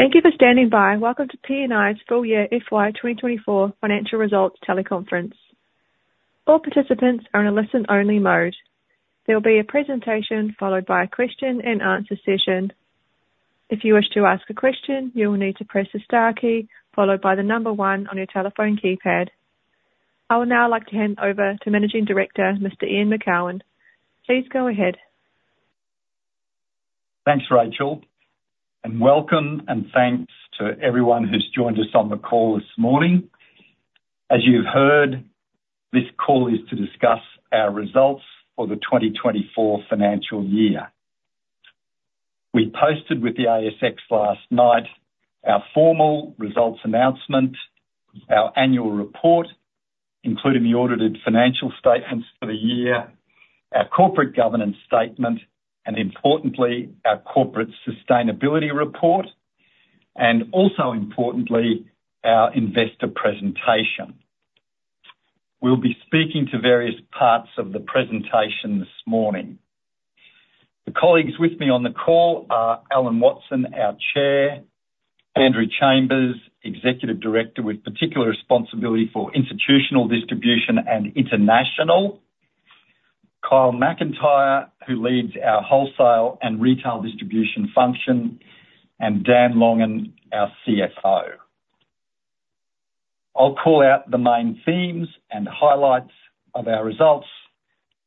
Thank you for standing by. Welcome to PNI's Full Year FY 2024 financial results teleconference. All participants are in a listen-only mode. There will be a presentation, followed by a question-and-answer session. If you wish to ask a question, you will need to press the star key, followed by the number one on your telephone keypad. I would now like to hand over to Managing Director, Mr. Ian Macoun. Please go ahead. Thanks, Rachel, and welcome, and thanks to everyone who's joined us on the call this morning. As you've heard, this call is to discuss our results for the 2024 financial year. We posted with the ASX last night our formal results announcement, our annual report, including the audited financial statements for the year, our corporate governance statement, and importantly, our corporate sustainability report, and also importantly, our investor presentation. We'll be speaking to various parts of the presentation this morning. The colleagues with me on the call are Alan Watson, our chair; Andrew Chambers, Executive Director, with particular responsibility for institutional distribution and international; Kyle Macintyre, who leads our wholesale and retail distribution function; and Dan Long, our CFO. I'll call out the main themes and highlights of our results,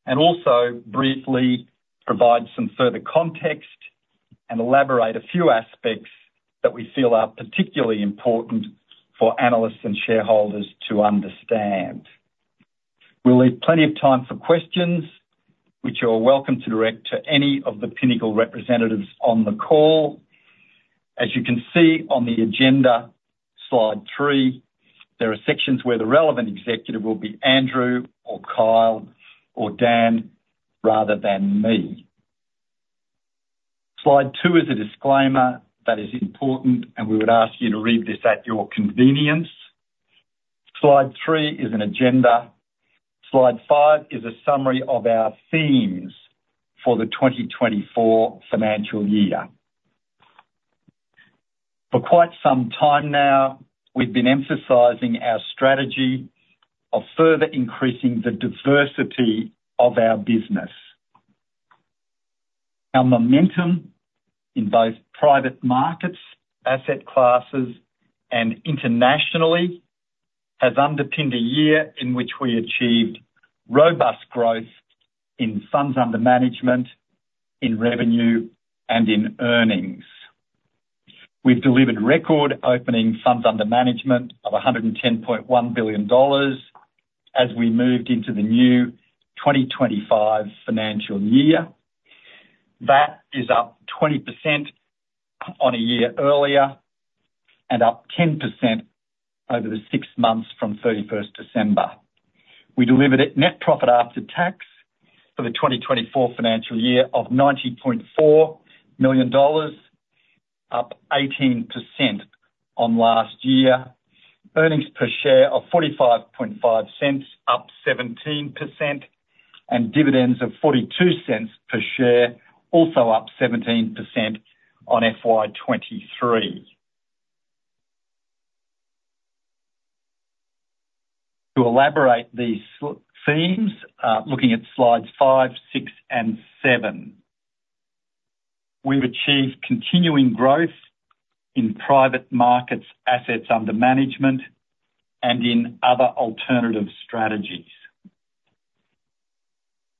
and also briefly provide some further context and elaborate a few aspects that we feel are particularly important for analysts and shareholders to understand. We'll leave plenty of time for questions, which you are welcome to direct to any of the Pinnacle representatives on the call. As you can see on the agenda, slide three, there are sections where the relevant executive will be Andrew or Kyle or Dan, rather than me. Slide two is a disclaimer that is important, and we would ask you to read this at your convenience. Slide three is an agenda. Slide five is a summary of our themes for the 2024 financial year. For quite some time now, we've been emphasizing our strategy of further increasing the diversity of our business. Our momentum in both private markets, asset classes, and internationally, has underpinned a year in which we achieved robust growth in funds under management, in revenue, and in earnings. We've delivered record opening funds under management of 110.1 billion dollars as we moved into the new 2025 financial year. That is up 20% on a year earlier and up 10% over the six months from 31 December. We delivered a net profit after tax for the 2024 financial year of AUD 90.4 million, up 18% on last year. Earnings per share of 0.455, up 17%, and dividends of 0.42 per share, also up 17% on FY 2023. To elaborate these themes, looking at slides five, six, and seven. We've achieved continuing growth in private markets, assets under management, and in other alternative strategies.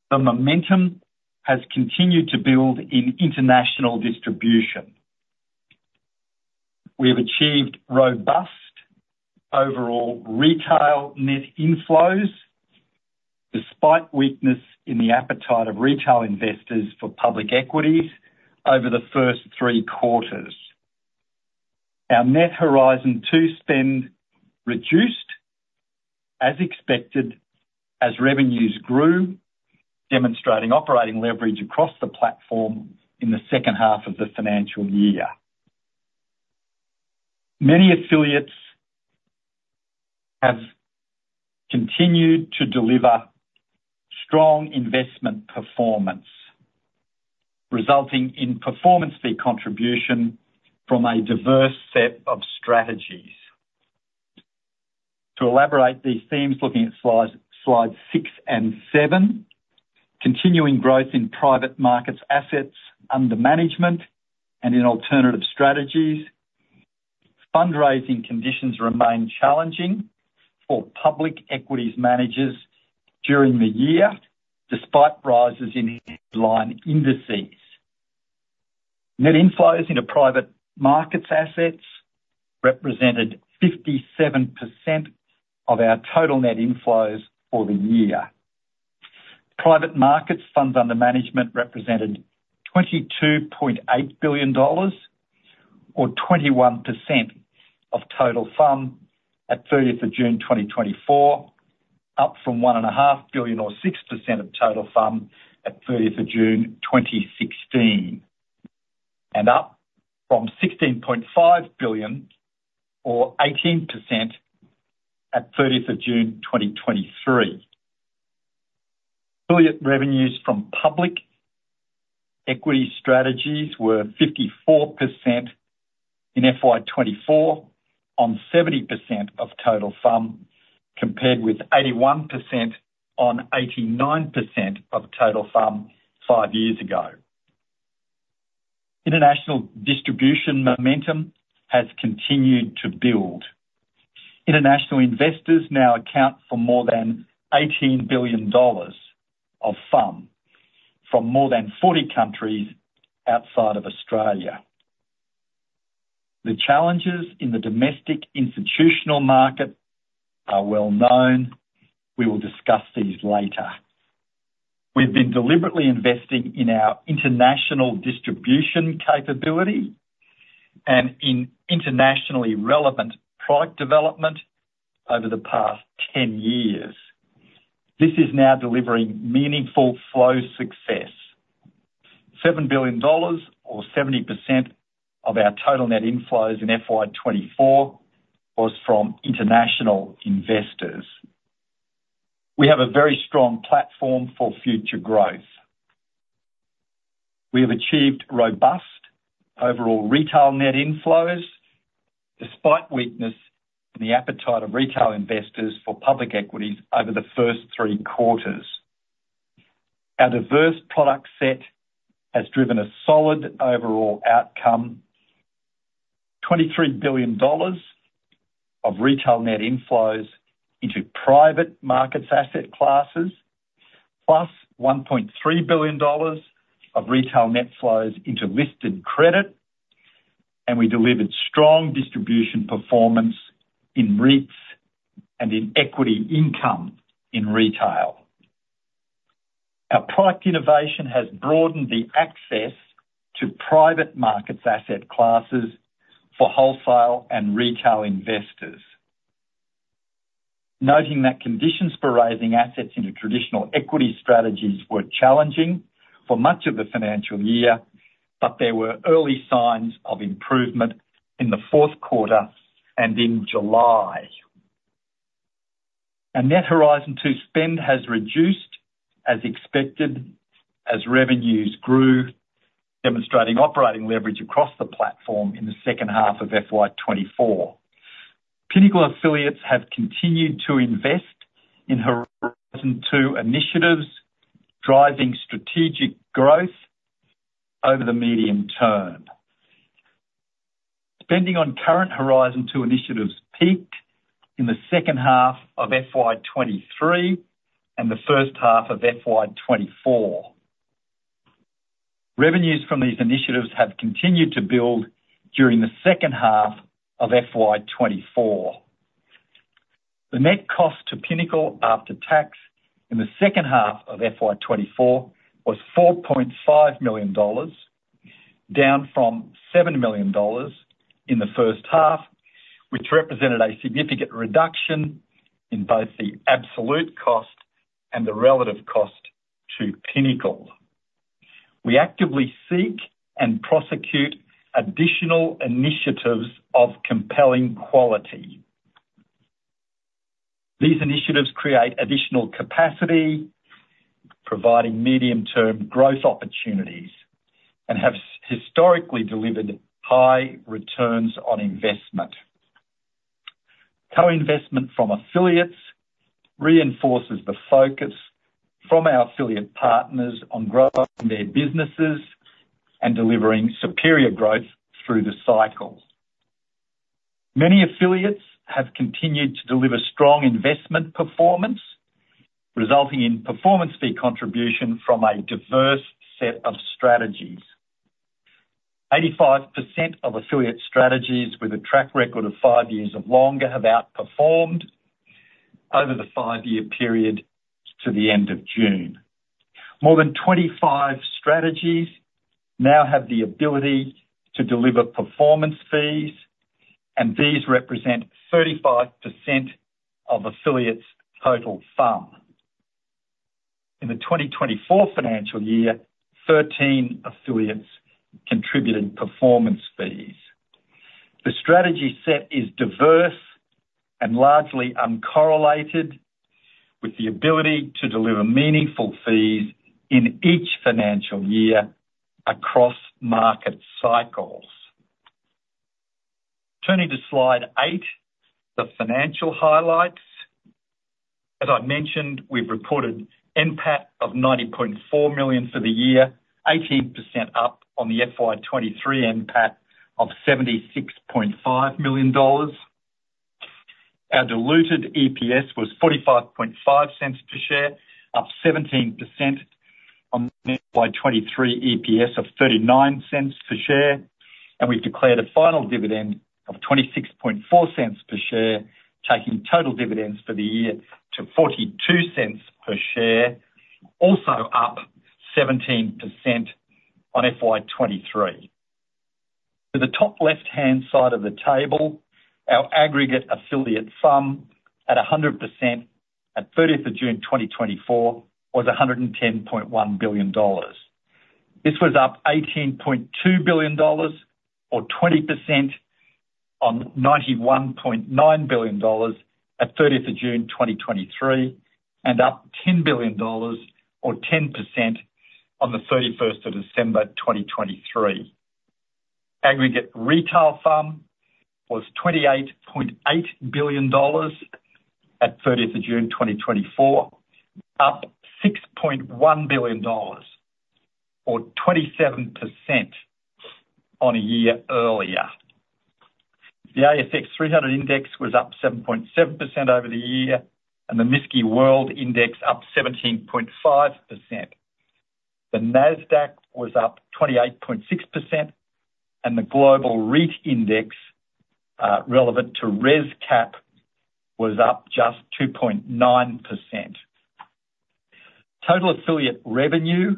The momentum has continued to build in international distribution. We have achieved robust overall retail net inflows, despite weakness in the appetite of retail investors for public equities over the first three quarters. Our net Horizon 2 spend reduced, as expected, as revenues grew, demonstrating operating leverage across the platform in the second half of the financial year. Many affiliates have continued to deliver strong investment performance, resulting in performance fee contribution from a diverse set of strategies. To elaborate these themes, looking at slides, slides six and seven, continuing growth in private markets, assets under management, and in alternative strategies. Fundraising conditions remained challenging for public equities managers during the year, despite rises in headline indices. Net inflows into private markets assets represented 57% of our total net inflows for the year. Private markets, funds under management, represented 22.8 billion dollars or 21% of total FUM at 30 of June 2024, up from 1.5 billion or 6% of total FUM at 30 of June 2016, and up from 16.5 billion or 18% at 30 of June 2023. Affiliate revenues from public equity strategies were 54% in FY 2024, on 70% of total FUM, compared with 81% on 89% of total FUM five years ago. International distribution momentum has continued to build. International investors now account for more than 18 billion dollars of FUM from more than 40 countries outside of Australia. The challenges in the domestic institutional market are well known. We will discuss these later. We've been deliberately investing in our international distribution capability and in internationally relevant product development over the past 10 years. This is now delivering meaningful flow success. 7 billion dollars or 70% of our total net inflows in FY 2024 was from international investors. We have a very strong platform for future growth. We have achieved robust overall retail net inflows, despite weakness in the appetite of retail investors for public equities over the first three quarters. Our diverse product set has driven a solid overall outcome. 23 billion dollars of retail net inflows into private markets asset classes, plus 1.3 billion dollars of retail net flows into listed credit, and we delivered strong distribution performance in REITs and in equity income in retail. Our product innovation has broadened the access to private markets asset classes for wholesale and retail investors. Noting that conditions for raising assets into traditional equity strategies were challenging for much of the financial year, but there were early signs of improvement in the fourth quarter and in July. Our net Horizon 2 spend has reduced as expected, as revenues grew, demonstrating operating leverage across the platform in the second half of FY 2024. Pinnacle affiliates have continued to invest in Horizon 2 initiatives, driving strategic growth over the medium term. Spending on current Horizon 2 initiatives peaked in the second half of FY 2023 and the first half of FY 2024. Revenues from these initiatives have continued to build during the second half of FY 2024. The net cost to Pinnacle after tax in the second half of FY 2024 was 4.5 million dollars, down from 7 million dollars in the first half, which represented a significant reduction in both the absolute cost and the relative cost to Pinnacle. We actively seek and prosecute additional initiatives of compelling quality. These initiatives create additional capacity, providing medium-term growth opportunities, and have historically delivered high returns on investment. Co-investment from affiliates reinforces the focus from our affiliate partners on growing their businesses and delivering superior growth through the cycles. Many affiliates have continued to deliver strong investment performance, resulting in performance fee contribution from a diverse set of strategies. 85% of affiliate strategies with a track record of five years or longer have outperformed over the five-year period to the end of June. More than 25 strategies now have the ability to deliver performance fees, and these represent 35% of affiliates' total FUM. In the 2024 financial year, 13 affiliates contributed performance fees. The strategy set is diverse and largely uncorrelated with the ability to deliver meaningful fees in each financial year across market cycles. Turning to slide eight, the financial highlights. As I've mentioned, we've reported NPAT of 90.4 million for the year, 18% up on the FY 2023 NPAT of AUD 76.5 million. Our diluted EPS was 0.455 per share, up 17% on FY 2023 EPS of 0.39 per share, and we've declared a final dividend of 0.264 per share, taking total dividends for the year to 0.42 per share, also up 17% on FY 2023. To the top left-hand side of the table, our aggregate affiliate FUM at 100% at 30th of June 2024 was AUD 110.1 billion. This was up AUD 18.2 billion, or 20%, on AUD 91.9 billion at 30th of June 2023, and up AUD 10 billion, or 10%, on the 31st of December 2023. Aggregate retail FUM was 28.8 billion dollars at 30th of June 2024, up 6.1 billion dollars, or 27%, on a year earlier. The ASX300 Index was up 7.7% over the year, and the MSCI World Index up 17.5%. The Nasdaq was up 28.6% and the Global REIT Index, relevant to ResCap, was up just 2.9%. Total affiliate revenue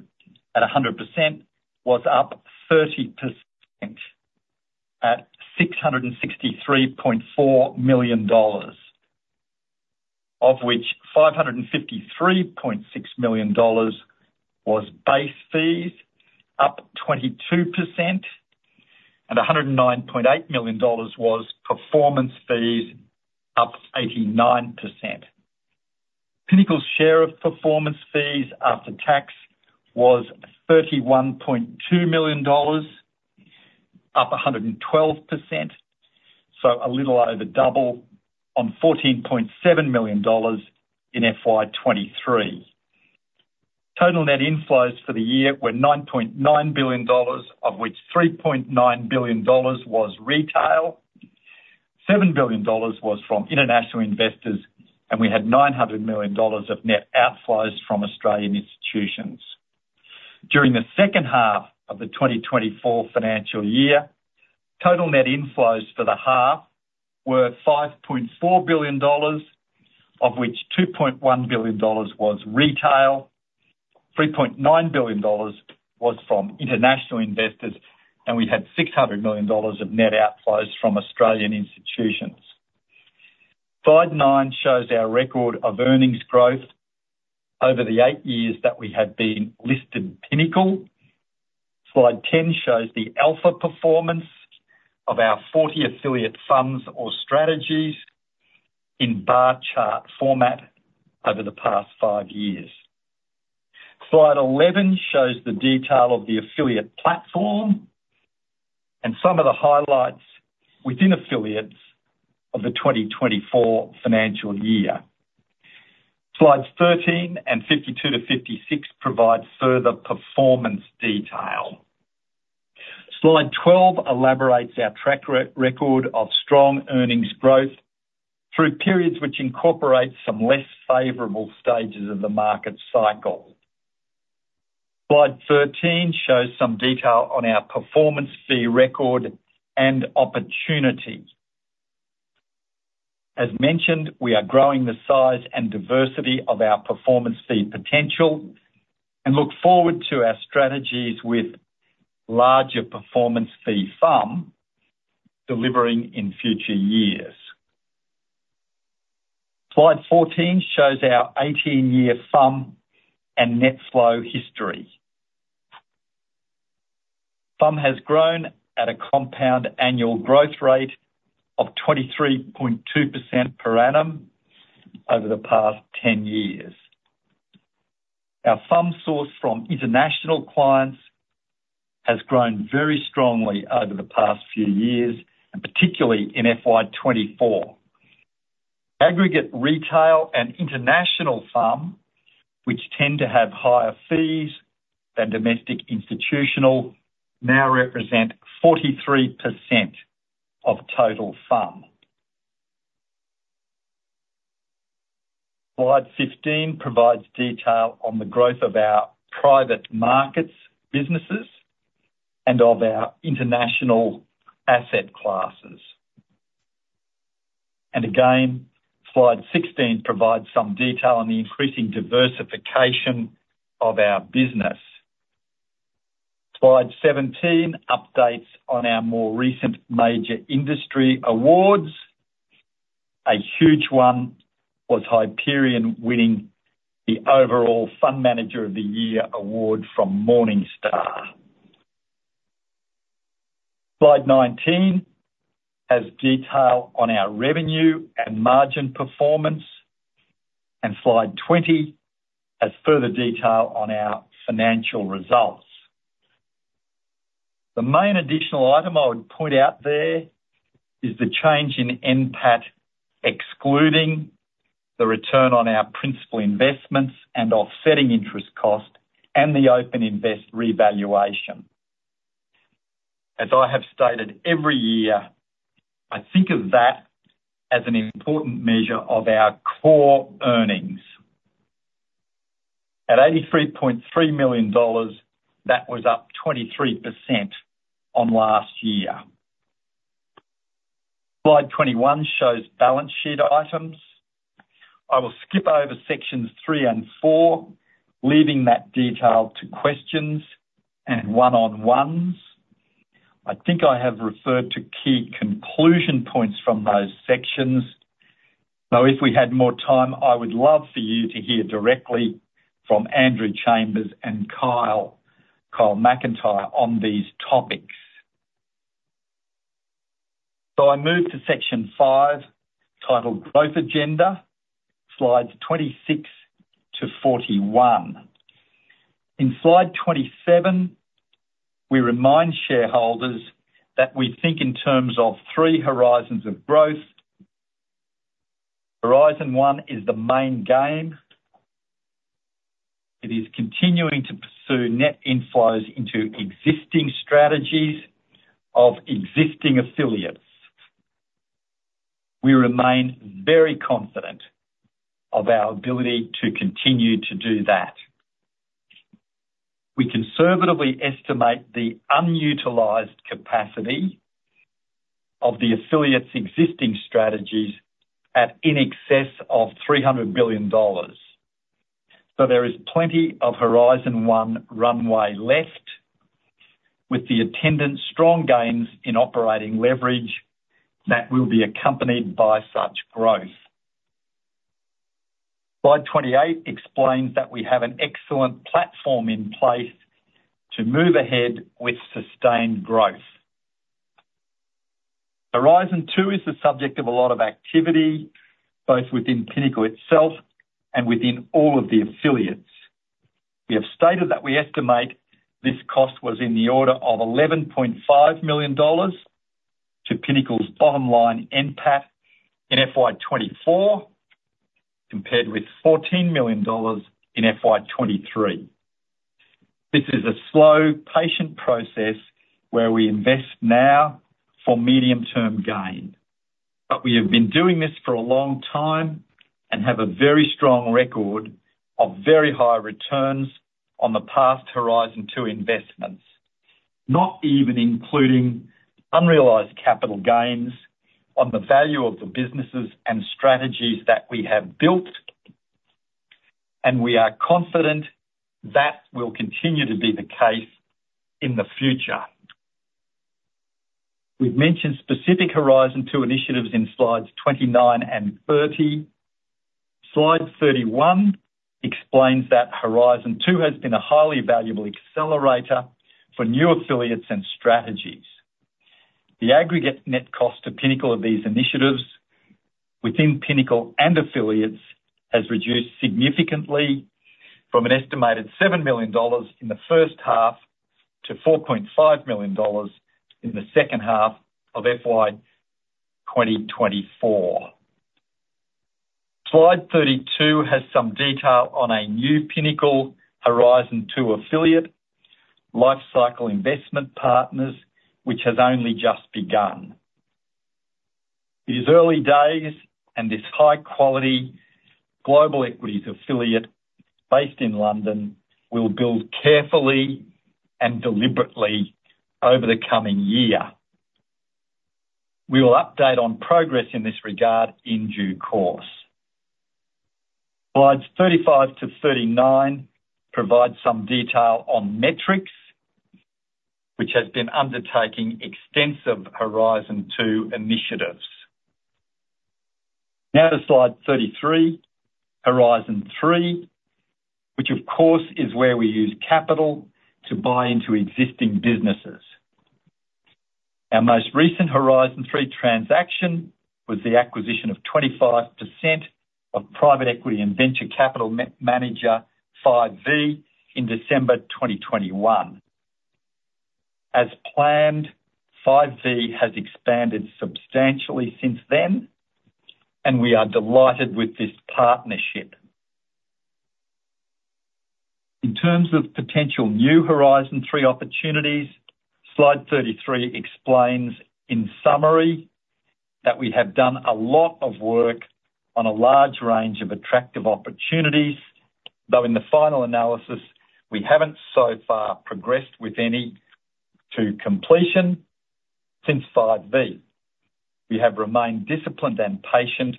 at 100% was up 30% at 663.4 million dollars, of which 553.6 million dollars was base fees, up 22%, and 109.8 million dollars was performance fees, up 89%. Pinnacle's share of performance fees after tax was 31.2 million dollars, up 112%, so a little over double on 14.7 million dollars in FY 2023. Total net inflows for the year were 9.9 billion dollars, of which 3.9 billion dollars was retail, 7 billion dollars was from international investors, and we had 900 million dollars of net outflows from Australian institutions. During the second half of the 2024 financial year, total net inflows for the half were 5.4 billion dollars, of which 2.1 billion dollars was retail, 3.9 billion dollars was from international investors, and we had 600 million dollars of net outflows from Australian institutions. Slide nine shows our record of earnings growth over the 8 years that we have been listed Pinnacle. Slide 10 shows the alpha performance of our 40 affiliate funds or strategies in bar chart format over the past 5 years. Slide 11 shows the detail of the affiliate platform and some of the highlights within affiliates of the 2024 financial year. Slides 13 and 52-56 provide further performance detail. Slide 12 elaborates our track record of strong earnings growth through periods which incorporate some less favorable stages of the market cycle. Slide 13 shows some detail on our performance fee record and opportunity. As mentioned, we are growing the size and diversity of our performance fee potential, and look forward to our strategies with larger performance fee FUM delivering in future years. Slide 14 shows our 18-year FUM and net flow history. FUM has grown at a compound annual growth rate of 23.2% per annum over the past 10 years. Our FUM source from international clients has grown very strongly over the past few years, and particularly in FY 2024. Aggregate retail and international FUM, which tend to have higher fees than domestic institutional, now represent 43% of total FUM. Slide 15 provides detail on the growth of our private markets, businesses, and of our international asset classes. And again, slide 16 provides some detail on the increasing diversification of our business. Slide 17, updates on our more recent major industry awards. A huge one was Hyperion winning the overall Fund Manager of the Year award from Morningstar. Slide 19 has detail on our revenue and margin performance, and Slide 20 has further detail on our financial results. The main additional item I would point out there is the change in NPAT, excluding the return on our principal investments and offsetting interest cost and the OpenInvest revaluation. As I have stated, every year, I think of that as an important measure of our core earnings. At 83.3 million dollars, that was up 23% on last year. Slide 21 shows balance sheet items. I will skip over sections 3 and 4, leaving that detail to questions and one-on-ones. I think I have referred to key conclusion points from those sections. So if we had more time, I would love for you to hear directly from Andrew Chambers and Kyle, Kyle Macintyre, on these topics. So I move to section five, titled Growth Agenda, slides 26 to 41. In slide 27, we remind shareholders that we think in terms of three horizons of growth. Horizon 1 is the main game. It is continuing to pursue net inflows into existing strategies of existing affiliates. We remain very confident of our ability to continue to do that. We conservatively estimate the unutilized capacity of the affiliates' existing strategies at in excess of 300 billion dollars. So there is plenty of Horizon 1 runway left, with the attendant strong gains in operating leverage that will be accompanied by such growth. Slide 28 explains that we have an excellent platform in place to move ahead with sustained growth. Horizon 2 is the subject of a lot of activity, both within Pinnacle itself and within all of the affiliates. We have stated that we estimate this cost was in the order of 11.5 million dollars to Pinnacle's bottom line NPAT in FY 2024, compared with 14 million dollars in FY 2023. This is a slow, patient process where we invest now for medium-term gain. But we have been doing this for a long time and have a very strong record of very high returns on the past Horizon 2 investments, not even including unrealized capital gains on the value of the businesses and strategies that we have built, and we are confident that will continue to be the case in the future. We've mentioned specific Horizon 2 initiatives in slides 29 and 30. Slide 31 explains that Horizon 2 has been a highly valuable accelerator for new affiliates and strategies. The aggregate net cost to Pinnacle of these initiatives, within Pinnacle and affiliates, has reduced significantly from an estimated 7 million dollars in the first half to 4.5 million dollars in the second half of FY 2024. Slide 32 has some detail on a new Pinnacle Horizon 2 affiliate, Lifecycle Investment Partners, which has only just begun. These early days and this high-quality global equities affiliate, based in London, will build carefully and deliberately over the coming year. We will update on progress in this regard in due course. Slides 35-39 provide some detail on Metrics, which has been undertaking extensive Horizon 2 initiatives. Now to slide 33, Horizon 3, which of course, is where we use capital to buy into existing businesses. Our most recent Horizon 3 transaction was the acquisition of 25% of private equity and venture capital manager, Five V, in December 2021. As planned, Five V has expanded substantially since then, and we are delighted with this partnership. In terms of potential new Horizon 3 opportunities, slide 33 explains, in summary, that we have done a lot of work on a large range of attractive opportunities. Though in the final analysis, we haven't so far progressed with any to completion since Five V. We have remained disciplined and patient,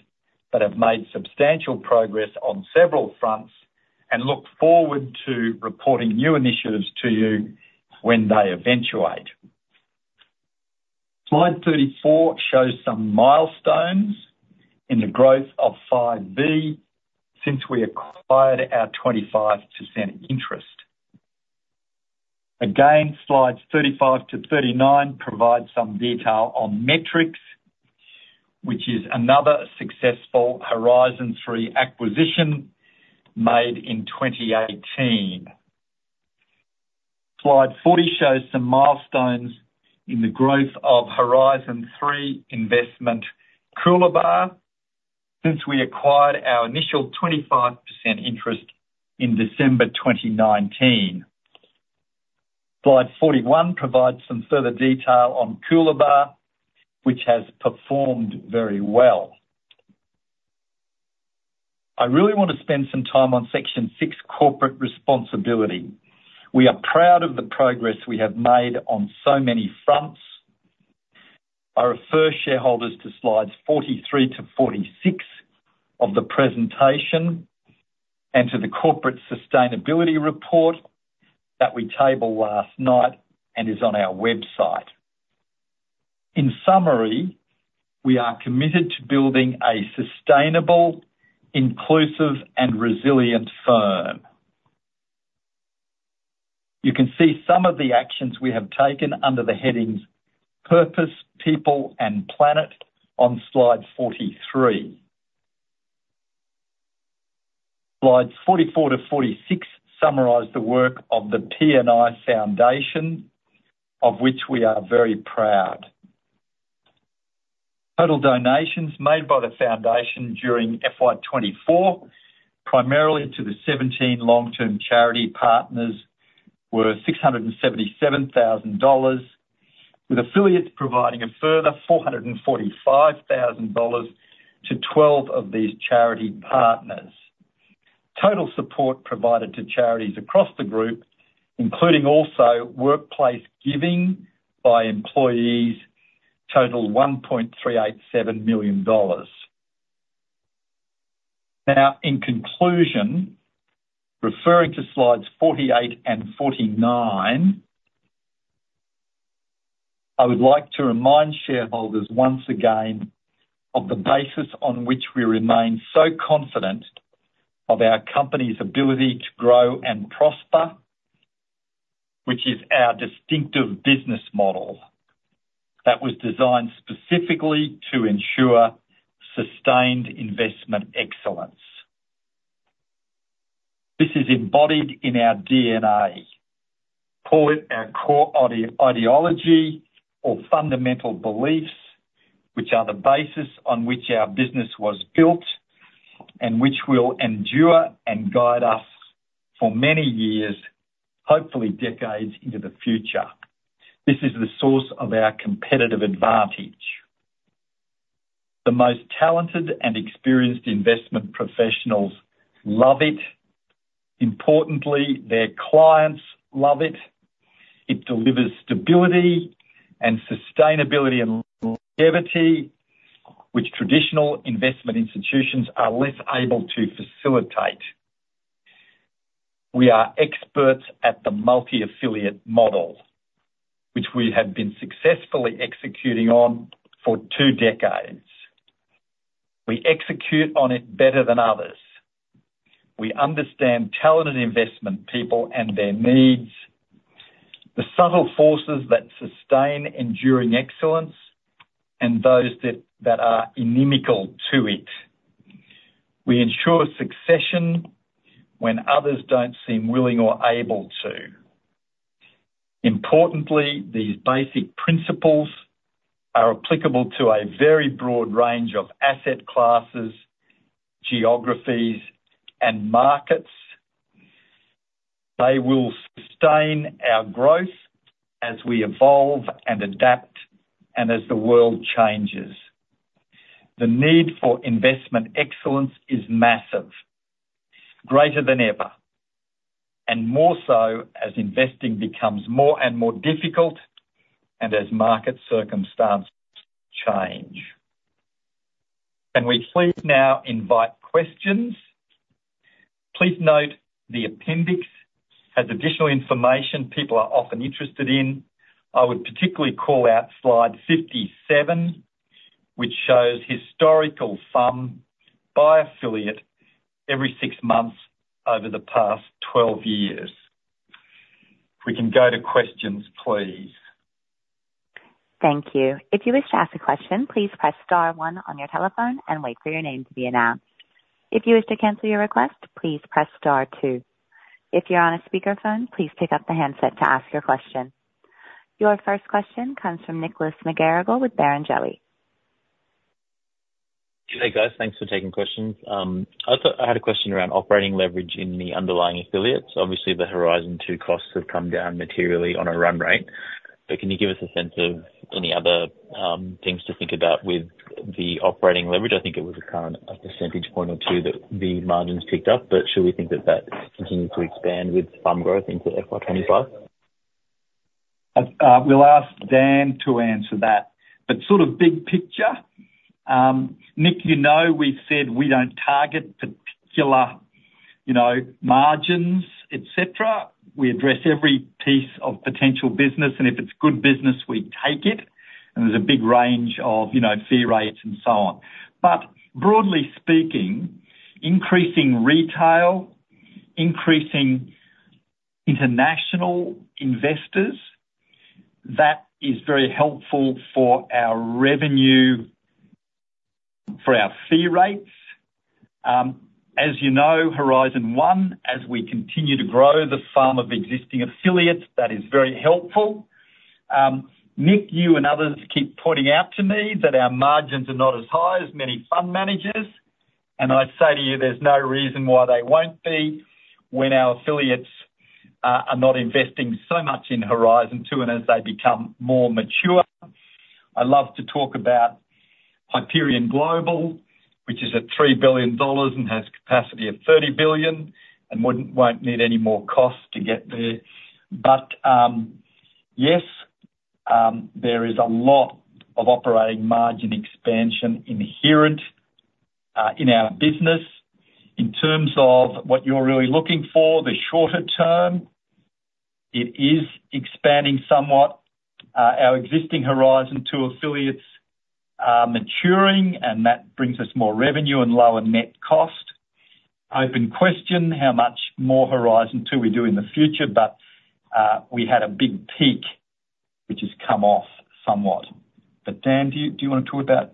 but have made substantial progress on several fronts, and look forward to reporting new initiatives to you when they eventuate. Slide 34 shows some milestones in the growth of Five V since we acquired our 25% interest. Again, slides 35-39 provide some detail on Metrics, which is another successful Horizon 3 acquisition made in 2018. Slide 40 shows some milestones in the growth of Horizon 3 investment, Coolabah, since we acquired our initial 25% interest in December 2019. Slide 41 provides some further detail on Coolabah, which has performed very well. I really want to spend some time on section 6, corporate responsibility. We are proud of the progress we have made on so many fronts. I refer shareholders to slides 43-46 of the presentation and to the corporate sustainability report that we tabled last night and is on our website. In summary, we are committed to building a sustainable, inclusive, and resilient firm. You can see some of the actions we have taken under the headings: Purpose, People, and Planet on slide 43. Slides 44-46 summarize the work of the PNI Foundation, of which we are very proud. Total donations made by the foundation during FY 2024, primarily to the 17 long-term charity partners, were 677 thousand dollars, with affiliates providing a further 445 thousand dollars to 12 of these charity partners. Total support provided to charities across the group, including also workplace giving by employees, totaled 1.387 million dollars. Now, in conclusion, referring to slides 48 and 49, I would like to remind shareholders once again of the basis on which we remain so confident of our company's ability to grow and prosper, which is our distinctive business model that was designed specifically to ensure sustained investment excellence. This is embodied in our DNA. Call it our core ideology or fundamental beliefs, which are the basis on which our business was built and which will endure and guide us for many years, hopefully decades into the future. This is the source of our competitive advantage. The most talented and experienced investment professionals love it. Importantly, their clients love it. It delivers stability and sustainability and longevity, which traditional investment institutions are less able to facilitate. We are experts at the multi-affiliate model, which we have been successfully executing on for two decades. We execute on it better than others. We understand talented investment people and their needs, the subtle forces that sustain enduring excellence, and those that, that are inimical to it. We ensure succession when others don't seem willing or able to. Importantly, these basic principles are applicable to a very broad range of asset classes, geographies, and markets. They will sustain our growth as we evolve and adapt and as the world changes. The need for investment excellence is massive, greater than ever, and more so as investing becomes more and more difficult and as market circumstances change. Can we please now invite questions? Please note, the appendix has additional information people are often interested in. I would particularly call out slide 57, which shows historical FUM by affiliate every six months over the past 12 years. We can go to questions, please. Thank you. If you wish to ask a question, please press star one on your telephone and wait for your name to be announced. If you wish to cancel your request, please press star two. If you're on a speakerphone, please pick up the handset to ask your question. Your first question comes from Nicholas McGarrigle with Barrenjoey. Hey, guys. Thanks for taking questions. I thought I had a question around operating leverage in the underlying affiliates. Obviously, the Horizon 2 costs have come down materially on a run rate, but can you give us a sense of any other things to think about with the operating leverage? I think it was a current, a percentage point or two, that the margins picked up, but should we think that that continues to expand with some growth into FY 2025? We'll ask Dan to answer that. But sort of big picture, Nick, you know, we've said we don't target particular, you know, margins, et cetera. We address every piece of potential business, and if it's good business, we take it, and there's a big range of, you know, fee rates and so on. But broadly speaking, increasing retail, increasing international investors, that is very helpful for our revenue, for our fee rates. As you know, Horizon 1, as we continue to grow the farm of existing affiliates, that is very helpful. Nick, you and others keep pointing out to me that our margins are not as high as many fund managers, and I'd say to you, there's no reason why they won't be when our affiliates are not investing so much in Horizon 2, and as they become more mature. I love to talk about-... Hyperion Global, which is at 3 billion dollars and has capacity of 30 billion, and won't need any more cost to get there. But yes, there is a lot of operating margin expansion inherent in our business. In terms of what you're really looking for, the shorter term, it is expanding somewhat, our existing Horizon 2 affiliates are maturing, and that brings us more revenue and lower net cost. Open question, how much more Horizon 2 we do in the future, but we had a big peak, which has come off somewhat. But Dan, do you want to talk about,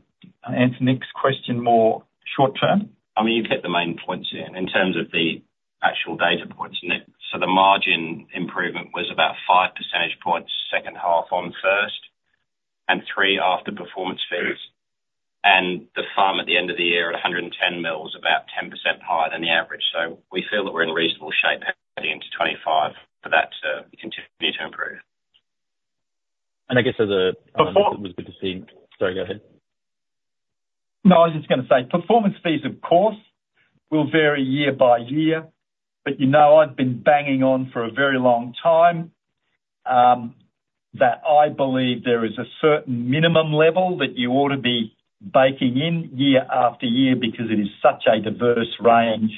answer Nick's question more short-term? I mean, you hit the main points in, in terms of the actual data points, Nick. So the margin improvement was about 5 percentage points second half on first, and three after performance fees. And the FUM at the end of the year at 110 million, about 10% higher than the average. So we feel that we're in reasonable shape heading into 2025 for that to continue to improve. And I guess as a-- Perform- It was good to see. Sorry, go ahead. No, I was just gonna say, performance fees, of course, will vary year by year, but you know, I've been banging on for a very long time that I believe there is a certain minimum level that you ought to be baking in year-after-year because it is such a diverse range.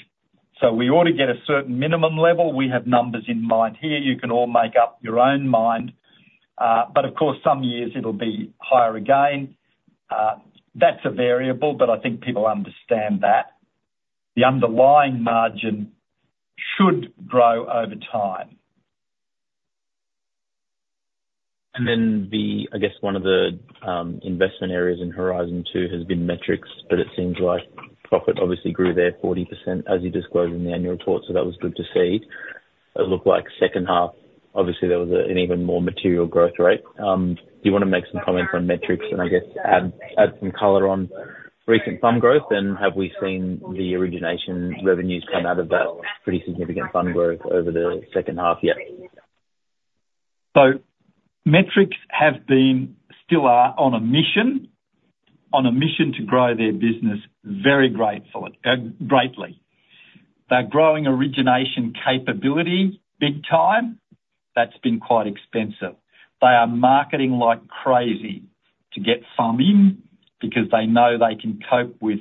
So we ought to get a certain minimum level. We have numbers in mind here, you can all make up your own mind, but of course, some years it'll be higher again. That's a variable, but I think people understand that. The underlying margin should grow over time. Then, I guess one of the investment areas in Horizon 2 has been Metrics, but it seems like profit obviously grew there 40%, as you disclosed in the annual report. So that was good to see. It looked like second half, obviously, there was an even more material growth rate. Do you wanna make some comments on Metrics? And I guess add some color on recent FUM growth, and have we seen the origination revenues come out of that pretty significant FUM growth over the second half yet? So Metrics have been, still are, on a mission, on a mission to grow their business, very grateful, greatly. They're growing origination capability big time. That's been quite expensive. They are marketing like crazy to get FUM in, because they know they can cope with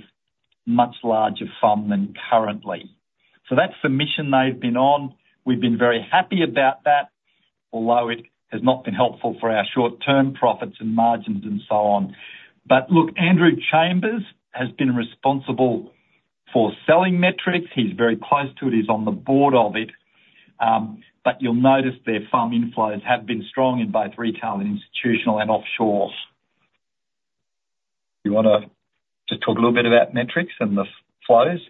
much larger FUM than currently. So that's the mission they've been on. We've been very happy about that, although it has not been helpful for our short-term profits and margins and so on. But look, Andrew Chambers has been responsible for selling Metrics. He's very close to it. He's on the board of it. But you'll notice their FUM inflows have been strong in both retail, and institutional, and offshore. You wanna just talk a little bit about Metrics and the flows?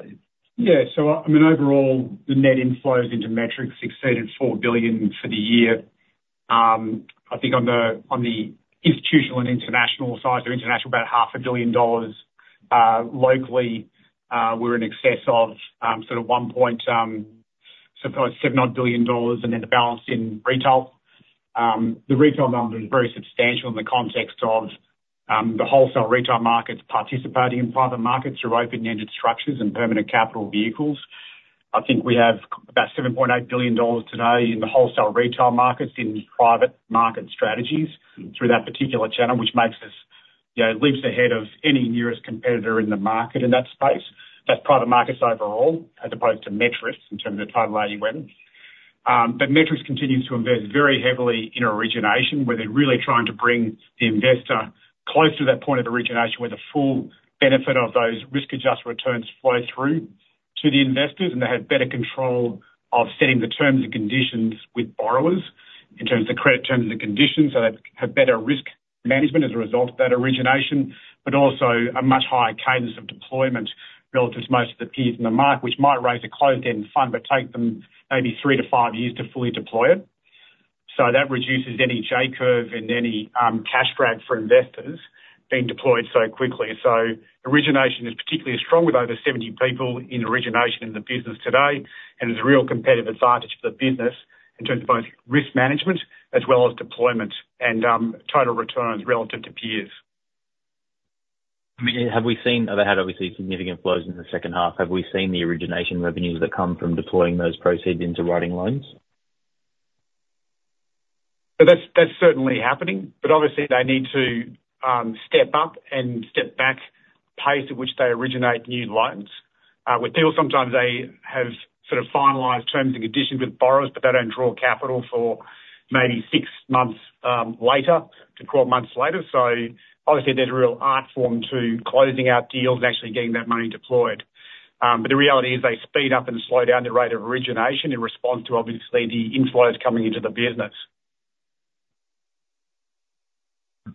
Yeah. So, I mean, overall, the net inflows into Metrics exceeded 4 billion for the year. I think on the institutional and international side, or international, about 0.5 billion dollars, locally, we're in excess of, sort of 1.7-odd billion dollars, and then the balance in retail. The retail number is very substantial in the context of the wholesale retail markets participating in private markets through open-ended structures and permanent capital vehicles. I think we have about 7.8 billion dollars today in the wholesale retail markets, in private market strategies, through that particular channel, which makes us, you know, leaps ahead of any nearest competitor in the market in that space. That's private markets overall, as opposed to Metrics in terms of total AUM. But Metrics continues to invest very heavily in origination, where they're really trying to bring the investor close to that point of origination, where the full benefit of those risk-adjusted returns flow through to the investors, and they have better control of setting the terms and conditions with borrowers, in terms of credit terms and conditions, so they have better risk management as a result of that origination. But also a much higher cadence of deployment relative to most of the peers in the market, which might raise a closed-end fund, but take them maybe 3-5 years to fully deploy it. So that reduces any J Curve and any, cash drag for investors being deployed so quickly. Origination is particularly strong, with over 70 people in origination in the business today, and is a real competitive advantage for the business in terms of both risk management as well as deployment and total returns relative to peers. I mean, have we seen. They had obviously significant flows in the second half. Have we seen the origination revenues that come from deploying those proceeds into writing loans? So that's certainly happening, but obviously, they need to, step up and step back pace at which they originate new loans. With deals, sometimes they have sort of finalized terms and conditions with borrowers, but they don't draw capital for maybe six months, later, to 12 months later. So obviously, there's a real art form to closing out deals and actually getting that money deployed. But the reality is they speed up and slow down the rate of origination in response to, obviously, the inflows coming into the business.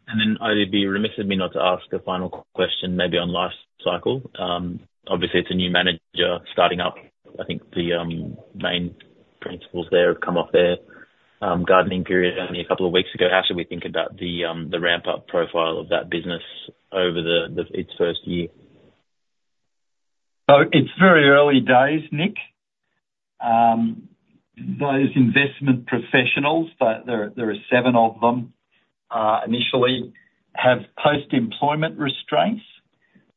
And then, I'd be remiss of me not to ask a final question, maybe on Lifecycle. Obviously, it's a new manager starting up. I think the main principals there have come off their gardening period only a couple of weeks ago. How should we think about the ramp-up profile of that business over its first year? So it's very early days, Nick. Those investment professionals, but there are seven of them, initially have post-employment restraints,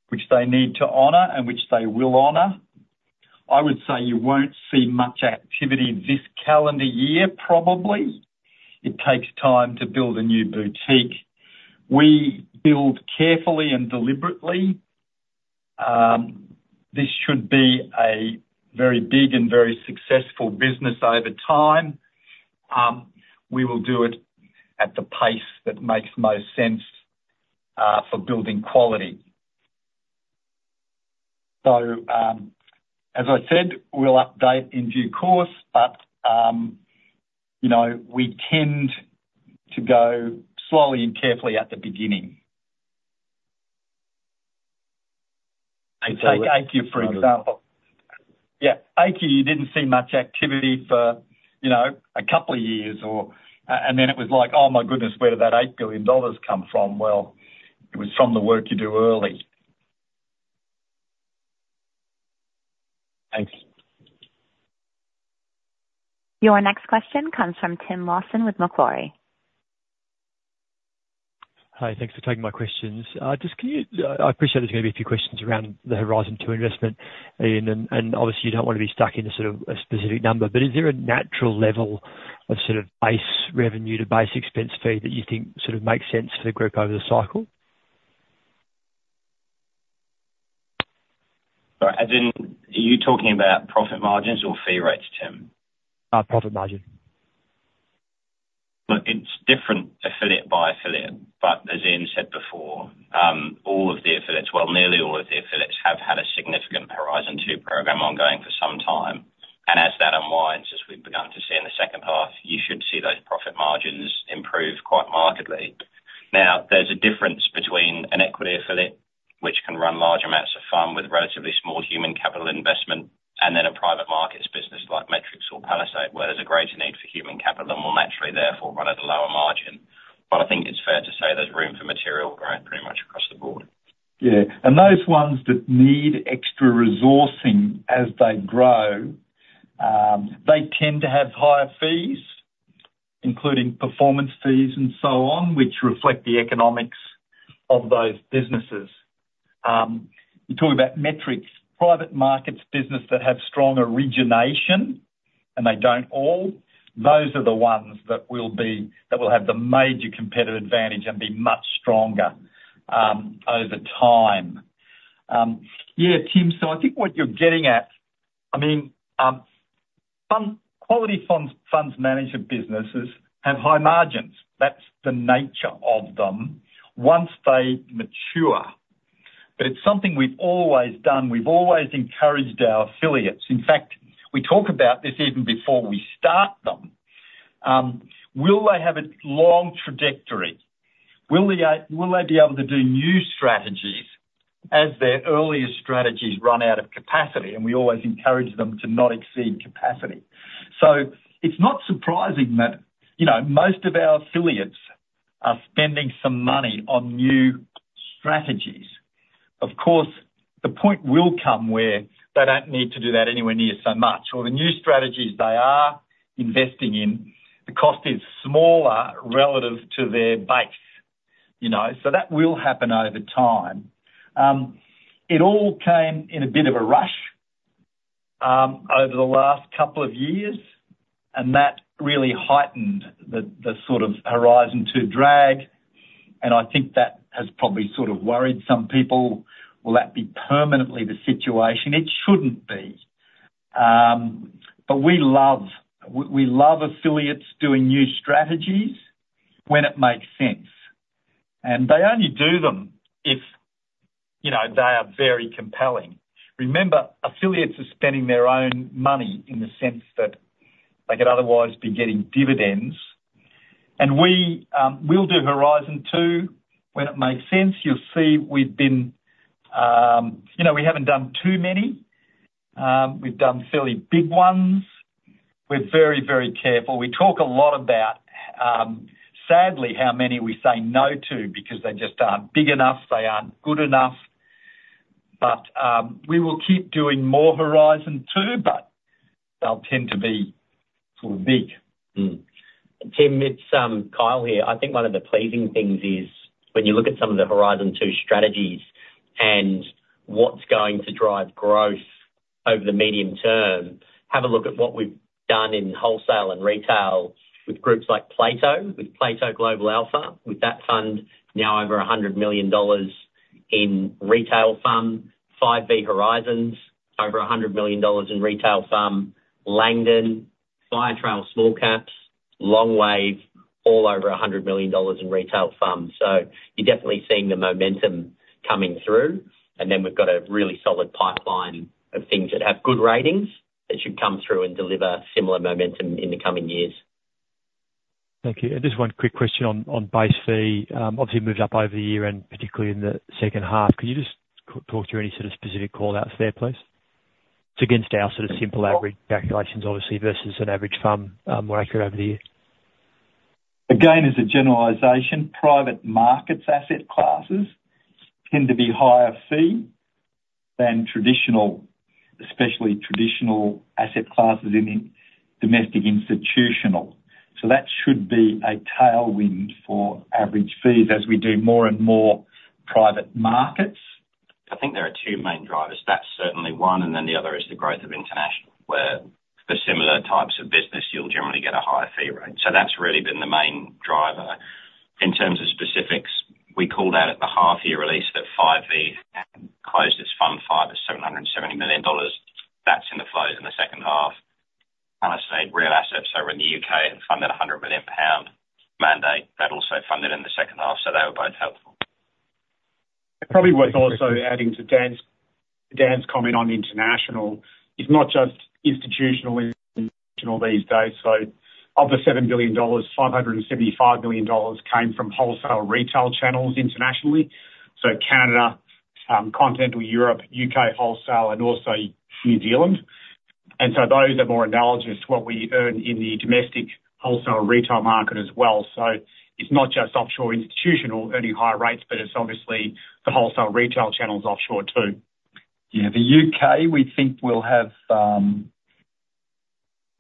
which they need to honor and which they will honor. I would say you won't see much activity this calendar year, probably. It takes time to build a new boutique. We build carefully and deliberately. This should be a very big and very successful business over time. We will do it at the pace that makes most sense, for building quality. So, as I said, we'll update in due course, but, you know, we tend to go slowly and carefully at the beginning. Take Aikya, for example. Yeah, Aikya, you didn't see much activity for, you know, a couple of years or... And then it was like, "Oh, my goodness, where did that 8 billion dollars come from?" Well, it was from the work you do early. Thanks. Your next question comes from Tim Lawson with Macquarie. Hi, thanks for taking my questions. Just, can you, I appreciate there's gonna be a few questions around the Horizon 2 investment, Ian, and, and obviously, you don't wanna be stuck in a sort of a specific number, but is there a natural level of sort of base revenue to base expense fee that you think sort of makes sense for the group over the cycle? Sorry, as in, are you talking about profit margins or fee rates, Tim? Profit margin. Look, it's different affiliate by affiliate, but as Ian said before, all of the affiliates, well, nearly all of the affiliates, have had a significant Horizon 2 program ongoing for some time, and as that unwinds, as we've begun to see in the second half, you should see those profit margins improve quite markedly. Now, there's a difference between an equity affiliate, which can run large amounts of FUM with relatively small human capital investment, and then a private markets business like Metrics or Palisade, where there's a greater need for human capital and will naturally therefore run at a lower margin. But I think it's fair to say there's room for material growth pretty much across the board. Yeah, and those ones that need extra resourcing as they grow, they tend to have higher fees, including performance fees and so on, which reflect the economics of those businesses. You talk about Metrics. Private markets business that have strong origination, and they don't all, those are the ones that will have the major competitive advantage and be much stronger, over time. Yeah, Tim, so I think what you're getting at, I mean, fund quality funds, funds management businesses have high margins. That's the nature of them once they mature. But it's something we've always done. We've always encouraged our affiliates. In fact, we talk about this even before we start them. Will they have a long trajectory? Will they be able to do new strategies as their earliest strategies run out of capacity? We always encourage them to not exceed capacity. So it's not surprising that, you know, most of our affiliates are spending some money on new strategies. Of course, the point will come where they don't need to do that anywhere near so much, or the new strategies they are investing in, the cost is smaller relative to their base, you know? So that will happen over time. It all came in a bit of a rush over the last couple of years, and that really heightened the sort of Horizon 2 drag, and I think that has probably sort of worried some people. Will that be permanently the situation? It shouldn't be. But we love affiliates doing new strategies when it makes sense, and they only do them if, you know, they are very compelling. Remember, affiliates are spending their own money in the sense that they could otherwise be getting dividends. We'll do Horizon 2 when it makes sense. You'll see we've been. You know, we haven't done too many. We've done fairly big ones. We're very, very careful. We talk a lot about, sadly, how many we say no to because they just aren't big enough, they aren't good enough. But we will keep doing more Horizon 2, but they'll tend to be sort of big. Tim, it's Kyle here. I think one of the pleasing things is when you look at some of the Horizon 2 strategies and what's going to drive growth over the medium term, have a look at what we've done in wholesale and retail with groups like Plato, with Plato Global Alpha, with that fund now over 100 million dollars in retail funds, 5 big Horizons, over 100 million dollars in retail funds, Langdon, Firetrail Small Caps, Longwave, all over 100 million dollars in retail funds. So you're definitely seeing the momentum coming through, and then we've got a really solid pipeline of things that have good ratings, that should come through and deliver similar momentum in the coming years. Thank you. And just one quick question on base fee. Obviously moved up over the year and particularly in the second half. Could you just talk through any sort of specific call-outs there, please? It's against our sort of simple average calculations, obviously, versus an average fund, more accurate over the year. Again, as a generalization, private markets asset classes tend to be higher fee than traditional, especially traditional asset classes in the domestic institutional. So that should be a tailwind for average fees as we do more and more private markets. I think there are two main drivers. That's certainly one, and then the other is the growth of international, where for similar types of business, you'll generally get a higher fee rate. So that's really been the main driver. In terms of specifics, we called out at the half year release that Five V closed its Fund V at 770 million dollars. That's in the flows in the second half. And our real assets arm in the U.K. funded a 100 million pound mandate. That also funded in the second half, so they were both helpful. It's probably worth also adding to Dan's, Dan's comment on international. It's not just institutional in these days, so of the 7 billion dollars, 575 million dollars came from wholesale retail channels internationally. So Canada, Continental Europe, U.K. wholesale, and also New Zealand. And so those are more analogous to what we earn in the domestic wholesale retail market as well. So it's not just offshore institutional earning higher rates, but it's obviously the wholesale retail channels offshore, too. Yeah, the U.K., we think will have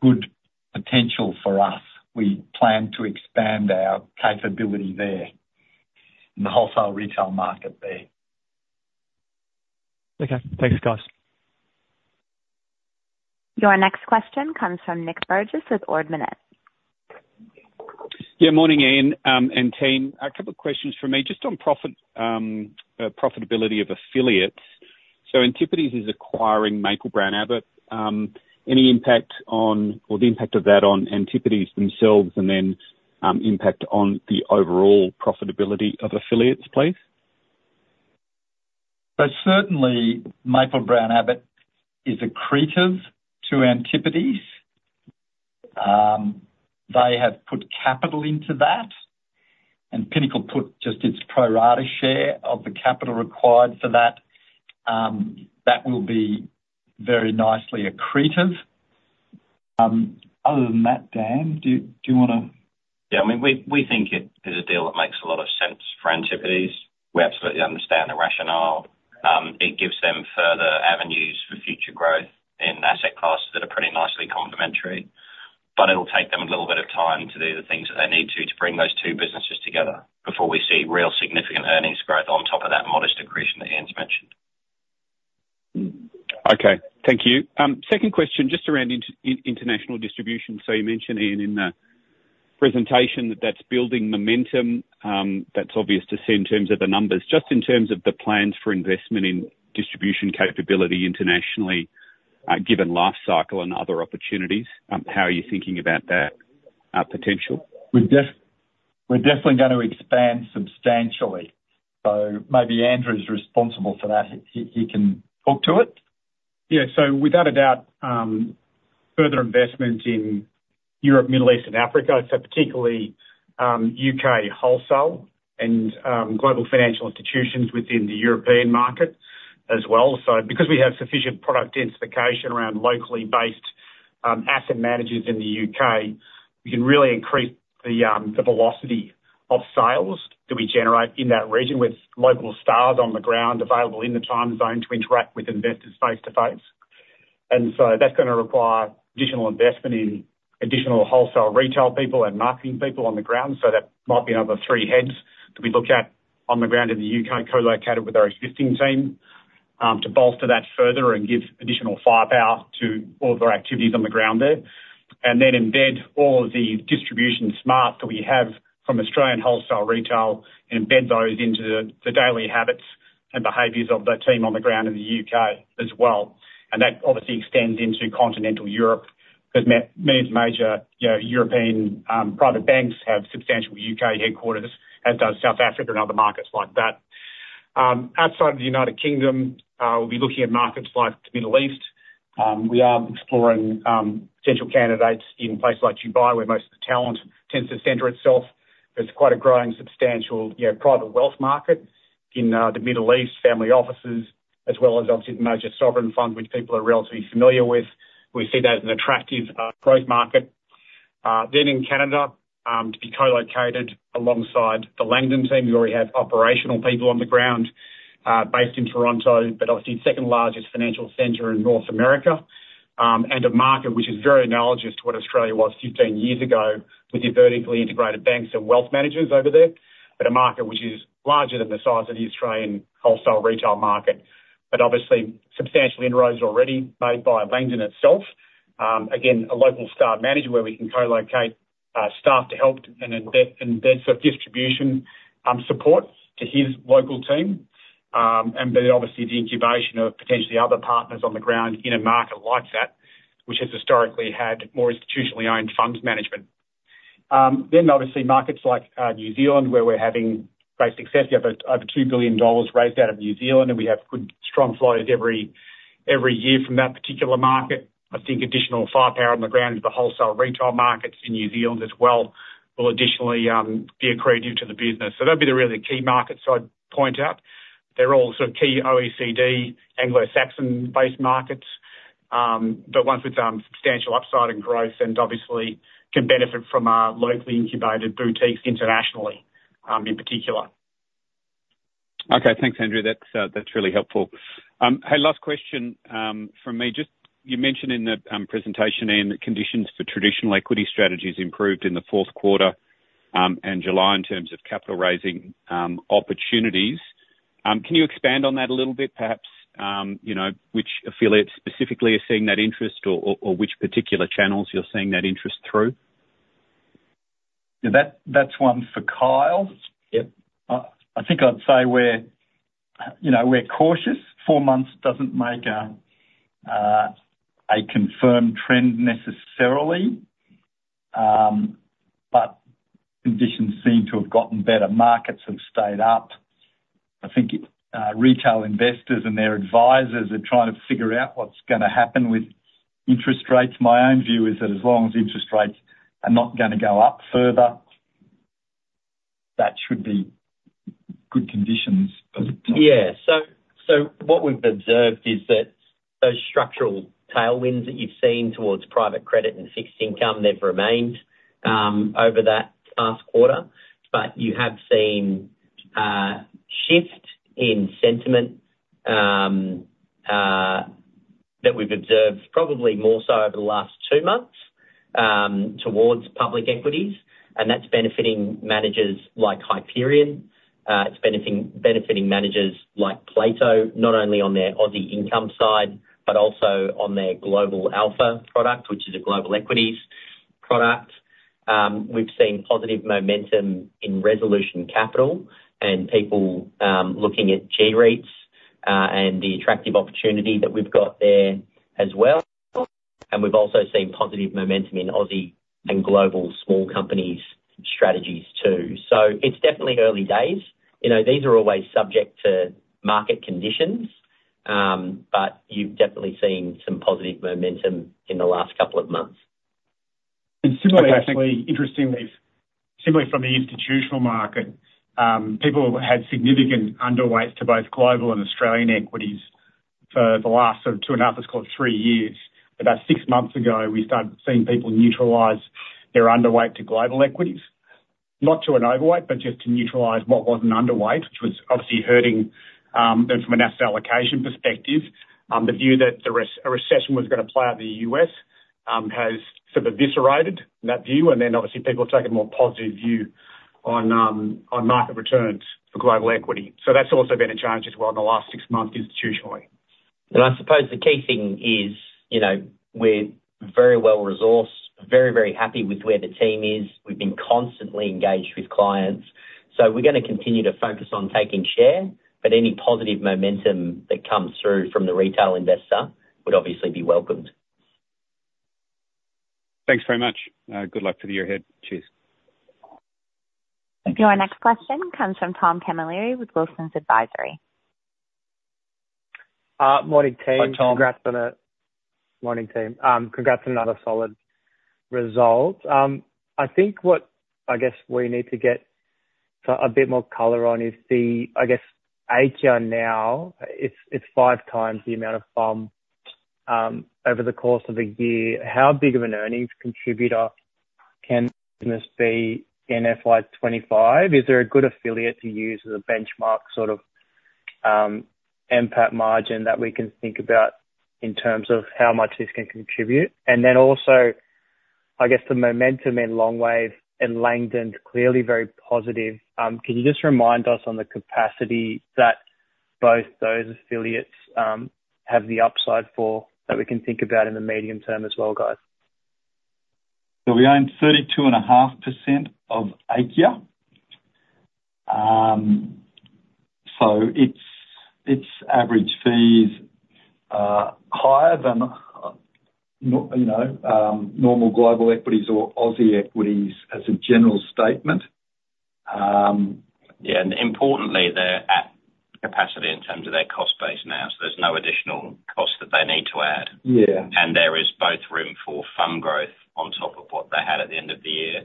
good potential for us. We plan to expand our capability there, in the wholesale retail market there. Okay. Thanks, guys. Your next question comes from Nick Burgess with Ord Minnett. Yeah, morning, Ian, and team. A couple of questions from me, just on profit, profitability of affiliates. So Antipodes is acquiring Maple-Brown Abbott. Any impact on or the impact of that on Antipodes themselves, and then, impact on the overall profitability of affiliates, please? So certainly, Maple-Brown Abbott is accretive to Antipodes. They have put capital into that, and Pinnacle put just its pro rata share of the capital required for that. That will be very nicely accretive. Other than that, Dan, do you wanna-- Yeah, I mean, we, we think it is a deal that makes a lot of sense for Antipodes. We absolutely understand the rationale. It gives them further avenues for future growth in asset classes that are pretty nicely complementary, but it'll take them a little bit of time to do the things that they need to, to bring those two businesses together before we see real significant earnings growth on top of that modest accretion that Ian's mentioned. Okay, thank you. Second question, just around international distribution. So you mentioned, Ian, in the presentation that that's building momentum, that's obvious to see in terms of the numbers. Just in terms of the plans for investment in distribution capability internationally, given Life Cycle and other opportunities, how are you thinking about that potential? We're definitely gonna expand substantially, so maybe Andrew is responsible for that. He can talk to it. Yeah, so without a doubt, further investment in Europe, Middle East, and Africa, so particularly, U.K. wholesale and global financial institutions within the European market as well. So because we have sufficient product densification around locally based asset managers in the U.K., we can really increase the velocity of sales that we generate in that region with local staff on the ground available in the time zone to interact with investors face to face. And so that's gonna require additional investment in additional wholesale retail people and marketing people on the ground, so that might be another three heads that we look at on the ground in the U.K., co-located with our existing team, to bolster that further and give additional firepower to all of our activities on the ground there. And then embed all of the distribution smart that we have from Australian wholesale retail, and embed those into the daily habits and behaviors of the team on the ground in the U.K. as well. And that obviously extends into continental Europe, 'cause many of the major, you know, European private banks have substantial U.K. headquarters, as does South Africa and other markets like that. Outside of the United Kingdom, we'll be looking at markets like the Middle East. We are exploring potential candidates in places like Dubai, where most of the talent tends to center itself. There's quite a growing substantial, you know, private wealth market in the Middle East, family offices, as well as obviously the major sovereign funds, which people are relatively familiar with. We see that as an attractive growth market. Then in Canada, to be co-located alongside the Langdon team. We already have operational people on the ground, based in Toronto, but obviously the second largest financial center in North America. And a market which is very analogous to what Australia was 15 years ago, with your vertically integrated banks and wealth managers over there, but a market which is larger than the size of the Australian wholesale retail market. But obviously, substantial inroads already made by Langdon itself. Again, a local starred manager where we can co-locate, staff to help, and embed sort of distribution, support to his local team. And then obviously the incubation of potentially other partners on the ground in a market like that, which has historically had more institutionally owned funds management. Then obviously markets like, New Zealand, where we're having great success. We have over 2 billion dollars raised out of New Zealand, and we have good strong flows every year from that particular market. I think additional firepower on the ground of the wholesale retail markets in New Zealand as well will additionally be accretive to the business. So that'd be the really key markets I'd point out. They're all sort of key OECD, Anglo-Saxon based markets, but ones with substantial upside and growth, and obviously can benefit from our locally incubated boutiques internationally in particular. Okay. Thanks, Andrew. That's really helpful. Hey, last question from me, just you mentioned in the presentation, and conditions for traditional equity strategies improved in the fourth quarter and July, in terms of capital raising opportunities. Can you expand on that a little bit, perhaps, you know, which affiliates specifically are seeing that interest, or which particular channels you're seeing that interest through? Yeah, that, that's one for Kyle. Yeah. I think I'd say we're, you know, we're cautious. Four months doesn't make a confirmed trend necessarily. But conditions seem to have gotten better. Markets have stayed up. I think, retail investors and their advisors are trying to figure out what's gonna happen with interest rates. My own view is that as long as interest rates are not gonna go up further, that should be good conditions for- Yeah. So what we've observed is that those structural tailwinds that you've seen towards private credit and fixed income, they've remained over that last quarter. But you have seen shift in sentiment that we've observed probably more so over the last two months towards public equities, and that's benefiting managers like Hyperion. It's benefiting managers like Plato, not only on their Aussie income side, but also on their global alpha product, which is a global equities product. We've seen positive momentum in Resolution Capital, and people looking at global REITs and the attractive opportunity that we've got there as well. And we've also seen positive momentum in Aussie and global small companies strategies, too. So it's definitely early days. You know, these are always subject to market conditions, but you've definitely seen some positive momentum in the last couple of months. And similarly, actually, interestingly, similarly from the institutional market, people had significant underweights to both global and Australian equities for the last sort of 2.5, let's call it 3 years. About six months ago, we started seeing people neutralize their underweight to global equities. Not to an overweight, but just to neutralize what was an underweight, which was obviously hurting them from an asset allocation perspective. The view that a recession was gonna play out in the US has sort of eviscerated that view, and then obviously people take a more positive view on market returns for global equity. So that's also been a change as well in the last six months, institutionally. I suppose the key thing is, you know, we're very well-resourced, very, very happy with where the team is. We've been constantly engaged with clients, so we're gonna continue to focus on taking share, but any positive momentum that comes through from the retail investor would obviously be welcomed. Thanks very much. Good luck for the year ahead. Cheers. Thank you. Your next question comes from Tom Camilleri with Wilsons Advisory. Morning, team. Hi, Tom. Morning, team. Congrats on another solid result. I think what, I guess, we need to get sort of a bit more color on is the, I guess, Aikya now. It's 5x the amount of over the course of the year. How big of an earnings contributor can this be in FY 2025? Is there a good affiliate to use as a benchmark, sort of, impact margin that we can think about in terms of how much this can contribute? And then also, I guess, the momentum in Longwave and Langdon, clearly very positive. Can you just remind us on the capacity that both those affiliates have the upside for, that we can think about in the medium term as well, guys? So we own 32.5% of Aikya. So it's average fees are higher than, you know, normal global equities or Aussie equities as a general statement. Yeah, and importantly, they're at capacity in terms of their cost base now, so there's no additional cost that they need to add. Yeah. There is both room for fund growth on top of what they had at the end of the year,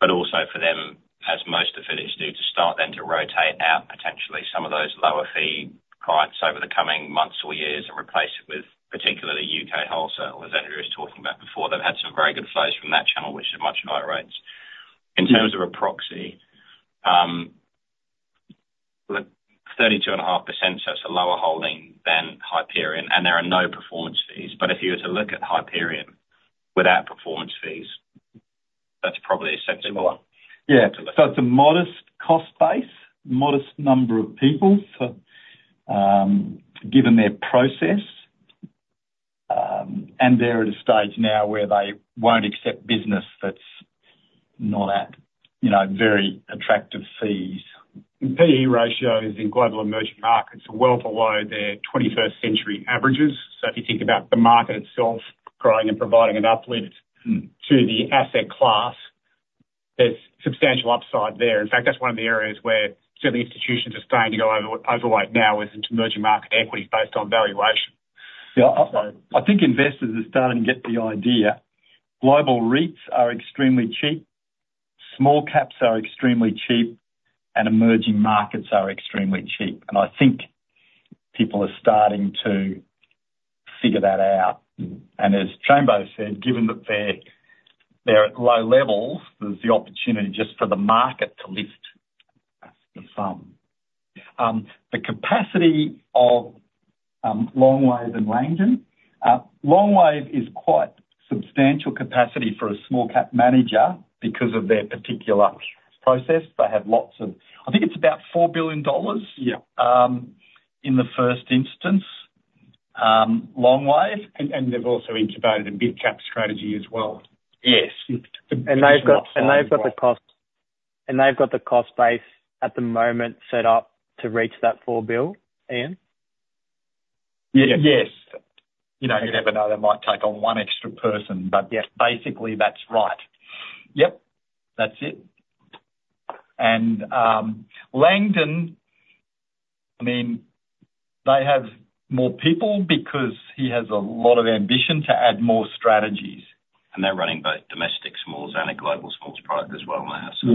but also for them, as most affiliates do, to start then to rotate out potentially some of those lower-fee clients over the coming months or years, and replace it with particularly U.K. wholesale, as Andrew was talking about before. They've had some very good flows from that channel, which are much higher rates. Yeah. In terms of a proxy, well, 32.5%, so it's a lower holding than Hyperion, and there are no performance fees. But if you were to look at Hyperion without performance fees, that's probably a similar. So it's a modest cost base, modest number of people for, given their process, and they're at a stage now where they won't accept business that's not at, you know, very attractive fees. PE ratio is in global emerging markets, well below their 21 st century averages. So if you think about the market itself growing and providing an uplift to the asset class, there's substantial upside there. In fact, that's one of the areas where certain institutions are starting to go overweight now is into emerging market equities based on valuation. Yeah, I think investors are starting to get the idea. Global REITs are extremely cheap. Small caps are extremely cheap, and emerging markets are extremely cheap, and I think people are starting to figure that out. And as Chambers said, given that they're at low levels, there's the opportunity just for the market to lift some. The capacity of Longwave and Langdon. Longwave is quite substantial capacity for a small-cap manager because of their particular process. They have lots of. I think it's about 4 billion dollars. Yeah. In the first instance, Longwave. And they've also incubated a big cap strategy as well. Yes. And they've got the cost base at the moment set up to reach that 4 billion, Ian? Yes. You know, you never know, they might take on one extra person, but yes, basically, that's right. Yeah, that's it. And, Langdon, I mean, they have more people because he has a lot of ambition to add more strategies. They're running both domestic smalls and a global smalls product as well now, so.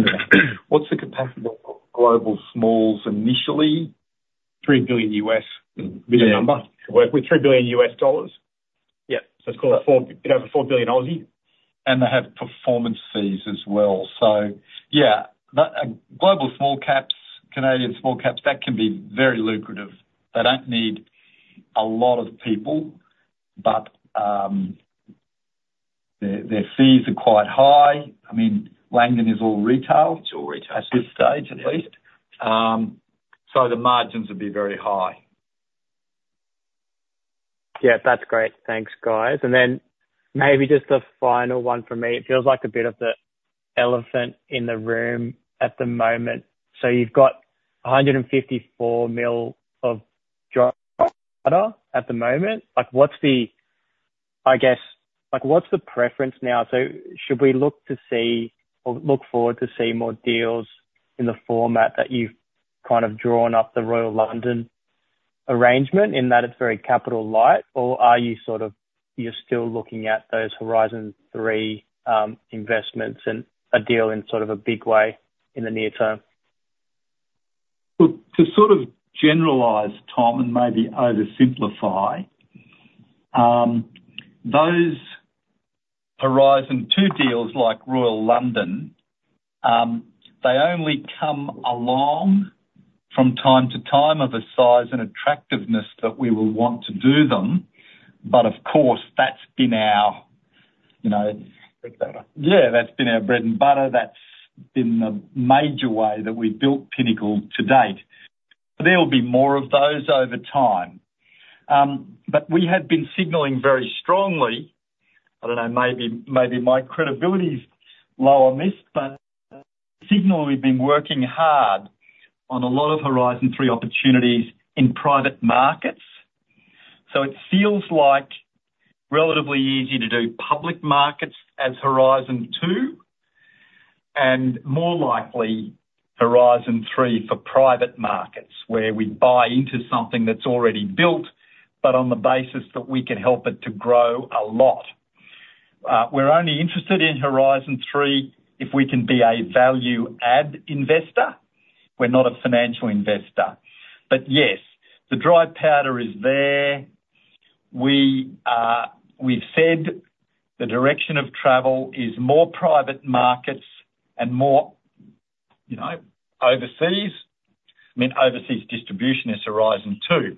What's the capacity for global smalls initially? 3 billion US billion number. Work with $3 billion. Yeah, so it's called a 4, bit over 4 billion Aussie. They have performance fees as well. So yeah, the global small caps, Canadian small caps, that can be very lucrative. They don't need a lot of people, but their fees are quite high. I mean, Langdon is all retail. It's all retail. At this stage, at least. So the margins would be very high. Yeah, that's great. Thanks, guys. And then maybe just a final one from me. It feels like a bit of the elephant in the room at the moment. So you've got 154 million of dry powder at the moment. Like, what's the-- I guess, like, what's the preference now? So should we look to see or look forward to see more deals in the format that you've kind of drawn up the Royal London arrangement, in that it's very capital light, or are you sort of, you're still looking at those Horizon 3 investments and a deal in sort of a big way in the near term? Well, to sort of generalize, Tom, and maybe oversimplify, those Horizon 2 deals like Royal London, they only come along from time to time of a size and attractiveness that we will want to do them, but of course, that's been our, you know- Bread and butter. Yeah, that's been our bread and butter. That's been the major way that we've built Pinnacle to date. There will be more of those over time. But we have been signaling very strongly, I don't know, maybe, maybe my credibility's low on this, but signal we've been working hard on a lot of Horizon 3 opportunities in private markets. So it feels like relatively easy to do public markets as Horizon 2, and more likely Horizon 3 for private markets, where we buy into something that's already built, but on the basis that we can help it to grow a lot. We're only interested in Horizon 3 if we can be a value-add investor. We're not a financial investor. But yes, the dry powder is there. We, we've said the direction of travel is more private markets and more, you know, overseas. I mean, overseas distribution is Horizon 2,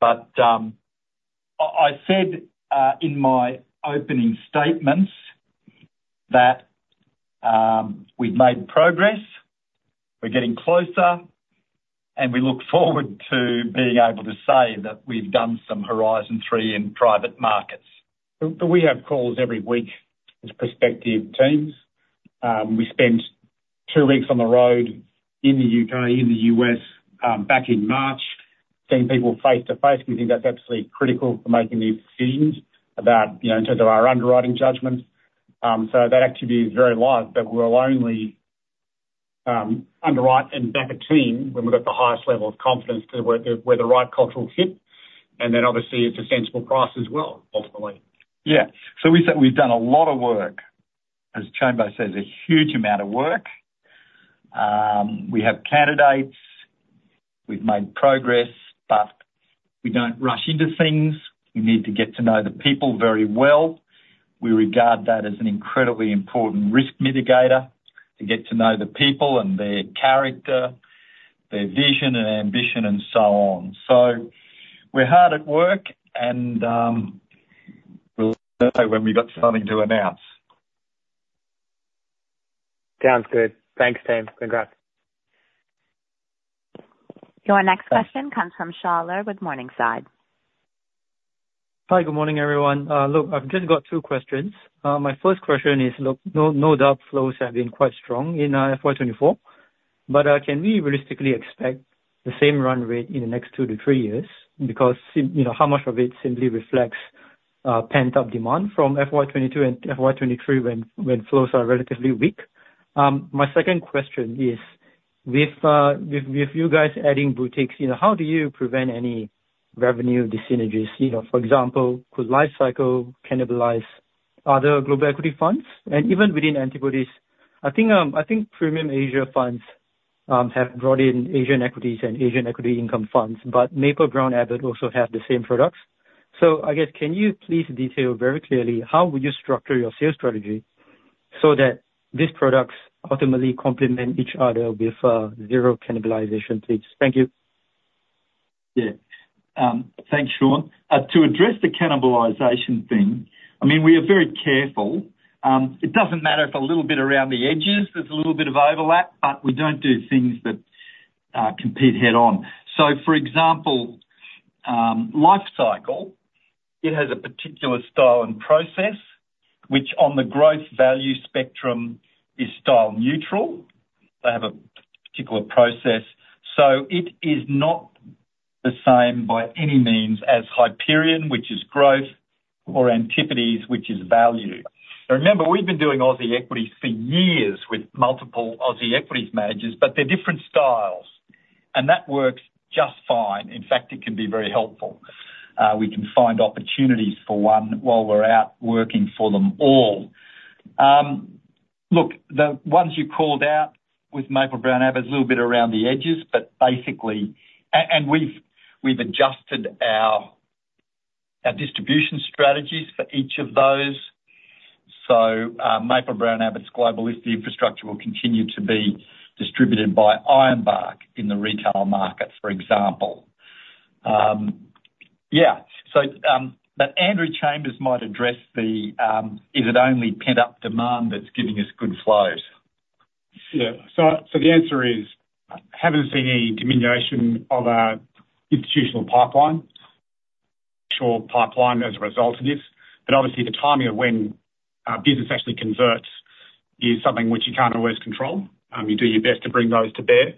but I said in my opening statements that we've made progress, we're getting closer, and we look forward to being able to say that we've done some Horizon 3 in private markets. But we have calls every week with prospective teams. We spent two weeks on the road in the U.K., in the U.S., back in March, seeing people face-to-face. We think that's absolutely critical for making these decisions about, you know, in terms of our underwriting judgments. So that activity is very live, but we'll only underwrite and back a team when we've got the highest level of confidence as to whether the right cultural fit, and then obviously it's a sensible price as well, ultimately. Yeah. So we said we've done a lot of work, as Chambo says, a huge amount of work. We have candidates, we've made progress, but we don't rush into things. We need to get to know the people very well. We regard that as an incredibly important risk mitigator, to get to know the people and their character, their vision and ambition, and so on. So we're hard at work, and we'll know when we've got something to announce. Sounds good. Thanks, team. Congrats. Your next question comes from Shaun Ler with Morningstar. Hi, good morning, everyone. Look, I've just got two questions. My first question is, look, no doubt flows have been quite strong in FY 2024, but can we realistically expect the same run rate in the next two to three years? Because, you know, how much of it simply reflects pent-up demand from FY 2022 and FY 2023, when flows are relatively weak? My second question is. With you guys adding boutiques, you know, how do you prevent any revenue dyssynergies? You know, for example, could Life Cycle cannibalize other global equity funds? And even within Antipodes, I think Premium Asia Funds have brought in Asian equities and Asian equity income funds, but Maple-Brown Abbott also have the same products. So I guess, can you please detail very clearly, how would you structure your sales strategy so that these products ultimately complement each other with zero cannibalization, please? Thank you. Yeah. Thanks, Sean. To address the cannibalization thing, I mean, we are very careful. It doesn't matter if a little bit around the edges, there's a little bit of overlap, but we don't do things that compete head-on. So for example, Life Cycle, it has a particular style and process, which on the growth value spectrum is style neutral. They have a particular process, so it is not the same by any means as Hyperion, which is growth, or Antipodes, which is value. Now remember, we've been doing Aussie equities for years with multiple Aussie equities managers, but they're different styles, and that works just fine. In fact, it can be very helpful. We can find opportunities for one while we're out working for them all. Look, the ones you called out with Maple-Brown Abbott is a little bit around the edges, but basically and we've, we've adjusted our, our distribution strategies for each of those. So, Maple-Brown Abbott's Global Listed Infrastructure will continue to be distributed by Ironbark in the retail markets, for example. Yeah, so, but Andrew Chambers might address the, is it only pent-up demand that's giving us good flows? Yeah. So the answer is, haven't seen any diminution of our institutional pipeline, sure pipeline as a result of this, but obviously the timing of when business actually converts is something which you can't always control. You do your best to bring those to bear.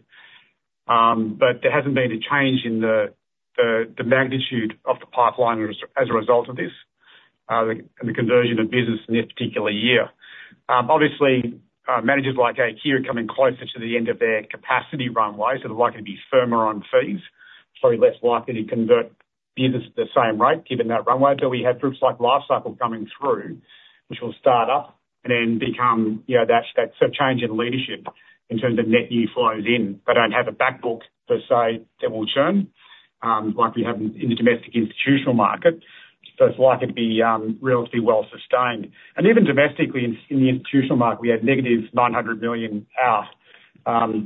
But there hasn't been a change in the magnitude of the pipeline as a result of this, the conversion of business in this particular year. Obviously, managers like Aikya are coming closer to the end of their capacity runway, so they're likely to be firmer on fees, so less likely to convert business at the same rate, given that runway. But we have groups like Lifecycle coming through, which will start up and then become, you know, that's a change in leadership in terms of net new flows in. They don't have a backbook per se, that will churn, like we have in the domestic institutional market, so it's likely to be relatively well-sustained. Even domestically in the institutional market, we had -900 million out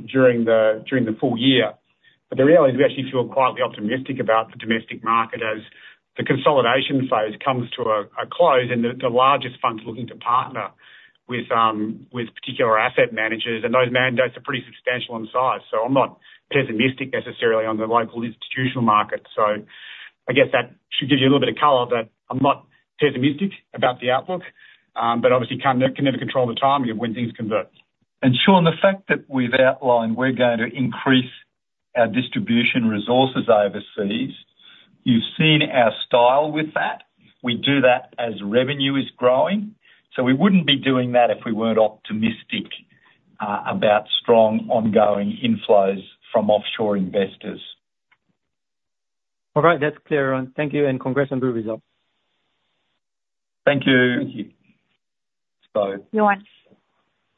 during the full year. The reality is we actually feel quietly optimistic about the domestic market as the consolidation phase comes to a close, and the largest funds looking to partner with particular asset managers, and those mandates are pretty substantial in size. I'm not pessimistic necessarily on the local institutional market. I guess that should give you a little bit of color, that I'm not pessimistic about the outlook, but obviously can never control the timing of when things convert. And Sean, the fact that we've outlined we're going to increase our distribution resources overseas, you've seen our style with that. We do that as revenue is growing, so we wouldn't be doing that if we weren't optimistic about strong ongoing inflows from offshore investors. All right, that's clear, Ian. Thank you, and congrats on the results. Thank you. Thank you. So- You're welcome.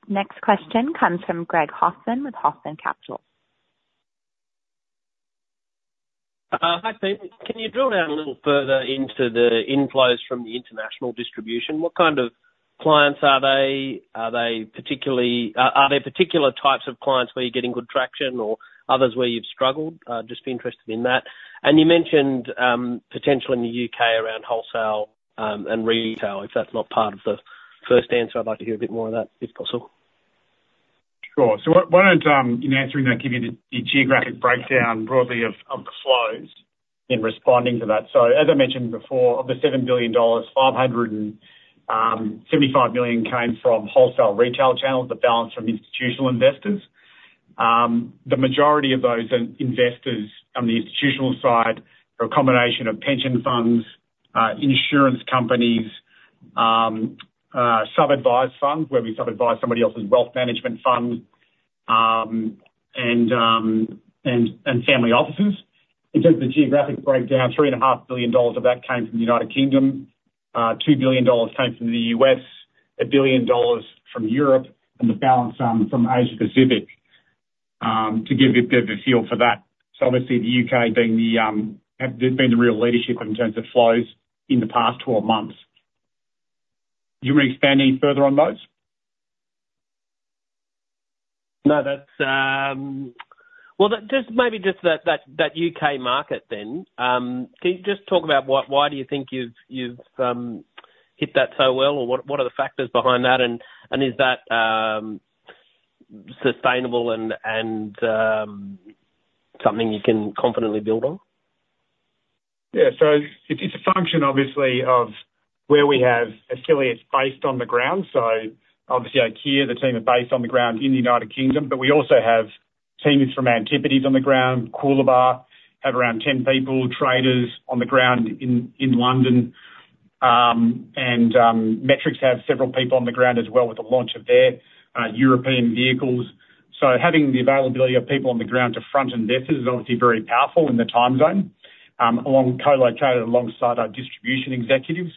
Next question comes from Greg Hoffman with Hoffman Capital. Hi, Steve. Can you drill down a little further into the inflows from the international distribution? What kind of clients are they? Are there particular types of clients where you're getting good traction or others where you've struggled? Just be interested in that. And you mentioned potential in the U.K. around wholesale and retail. If that's not part of the first answer, I'd like to hear a bit more on that, if possible. Sure. So why don't, in answering that, give you the geographic breakdown broadly of the flows in responding to that? So as I mentioned before, of the 7 billion dollars, 575 million came from wholesale retail channels, the balance from institutional investors. The majority of those investors on the institutional side are a combination of pension funds, insurance companies, sub-advised funds, where we sub-advise somebody else's wealth management fund, and family offices. In terms of the geographic breakdown, 3.5 billion dollars of that came from the United Kingdom, 2 billion dollars came from the U.S., 1 billion dollars from Europe, and the balance from Asia Pacific, to give you a bit of a feel for that. So obviously, the U.K. being the, have, they've been the real leadership in terms of flows in the past 12 months. Do you want me to expand any further on those? No, that's. Well, maybe just that U.K. market then. Can you just talk about why do you think you've hit that so well, or what are the factors behind that? And is that sustainable and something you can confidently build on? Yeah. So, it's a function obviously of where we have affiliates based on the ground. So obviously, Aikya, the team are based on the ground in the United Kingdom, but we also have teams from Antipodes on the ground. Coolabah have around 10 people, traders on the ground in London. And Metrics have several people on the ground as well with the launch of their European vehicles. So having the availability of people on the ground to front investors is obviously very powerful in the time zone, co-located alongside our distribution executives.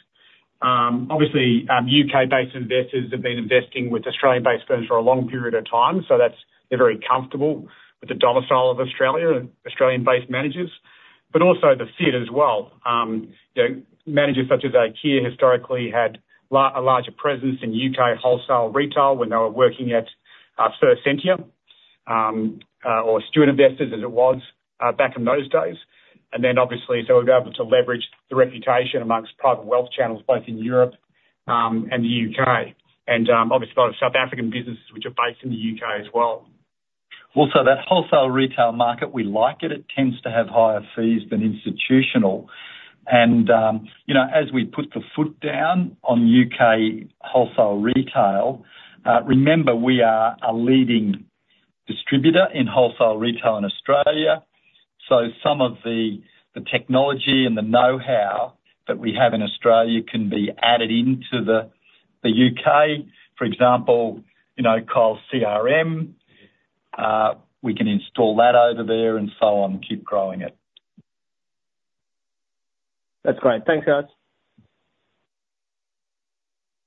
Obviously, U.K.-based investors have been investing with Australian-based firms for a long period of time, so they're very comfortable with the domicile of Australia and Australian-based managers, but also the fit as well. You know, managers such as Aikya historically had a larger presence in U.K. wholesale retail when they were working at First Sentier, or Stewart Investors, as it was, back in those days. And then obviously, so we're be able to leverage the reputation amongst private wealth channels, both in Europe and the U.K., and obviously, a lot of South African businesses which are based in the U.K. as well. Also, that wholesale retail market, we like it. It tends to have higher fees than institutional. You know, as we put the foot down on U.K. wholesale retail, remember, we are a leading distributor in wholesale retail in Australia, so some of the technology and the know-how that we have in Australia can be added into the U.K. For example, you know, Carl CRM, we can install that over there and so on, keep growing it. That's great. Thanks, guys.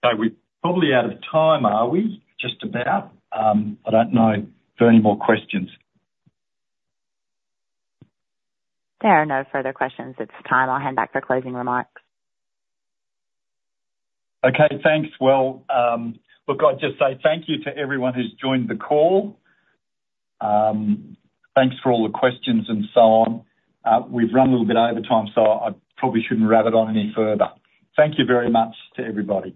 So we're probably out of time, are we? Just about. I don't know if there are any more questions. There are no further questions. It's time, I'll hand back for closing remarks. Okay, thanks. Well, look, I'd just say thank you to everyone who's joined the call. Thanks for all the questions and so on. We've run a little bit over time, so I probably shouldn't rabbit on any further. Thank you very much to everybody.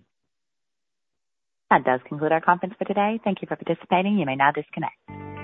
That does conclude our conference for today. Thank you for participating. You may now disconnect.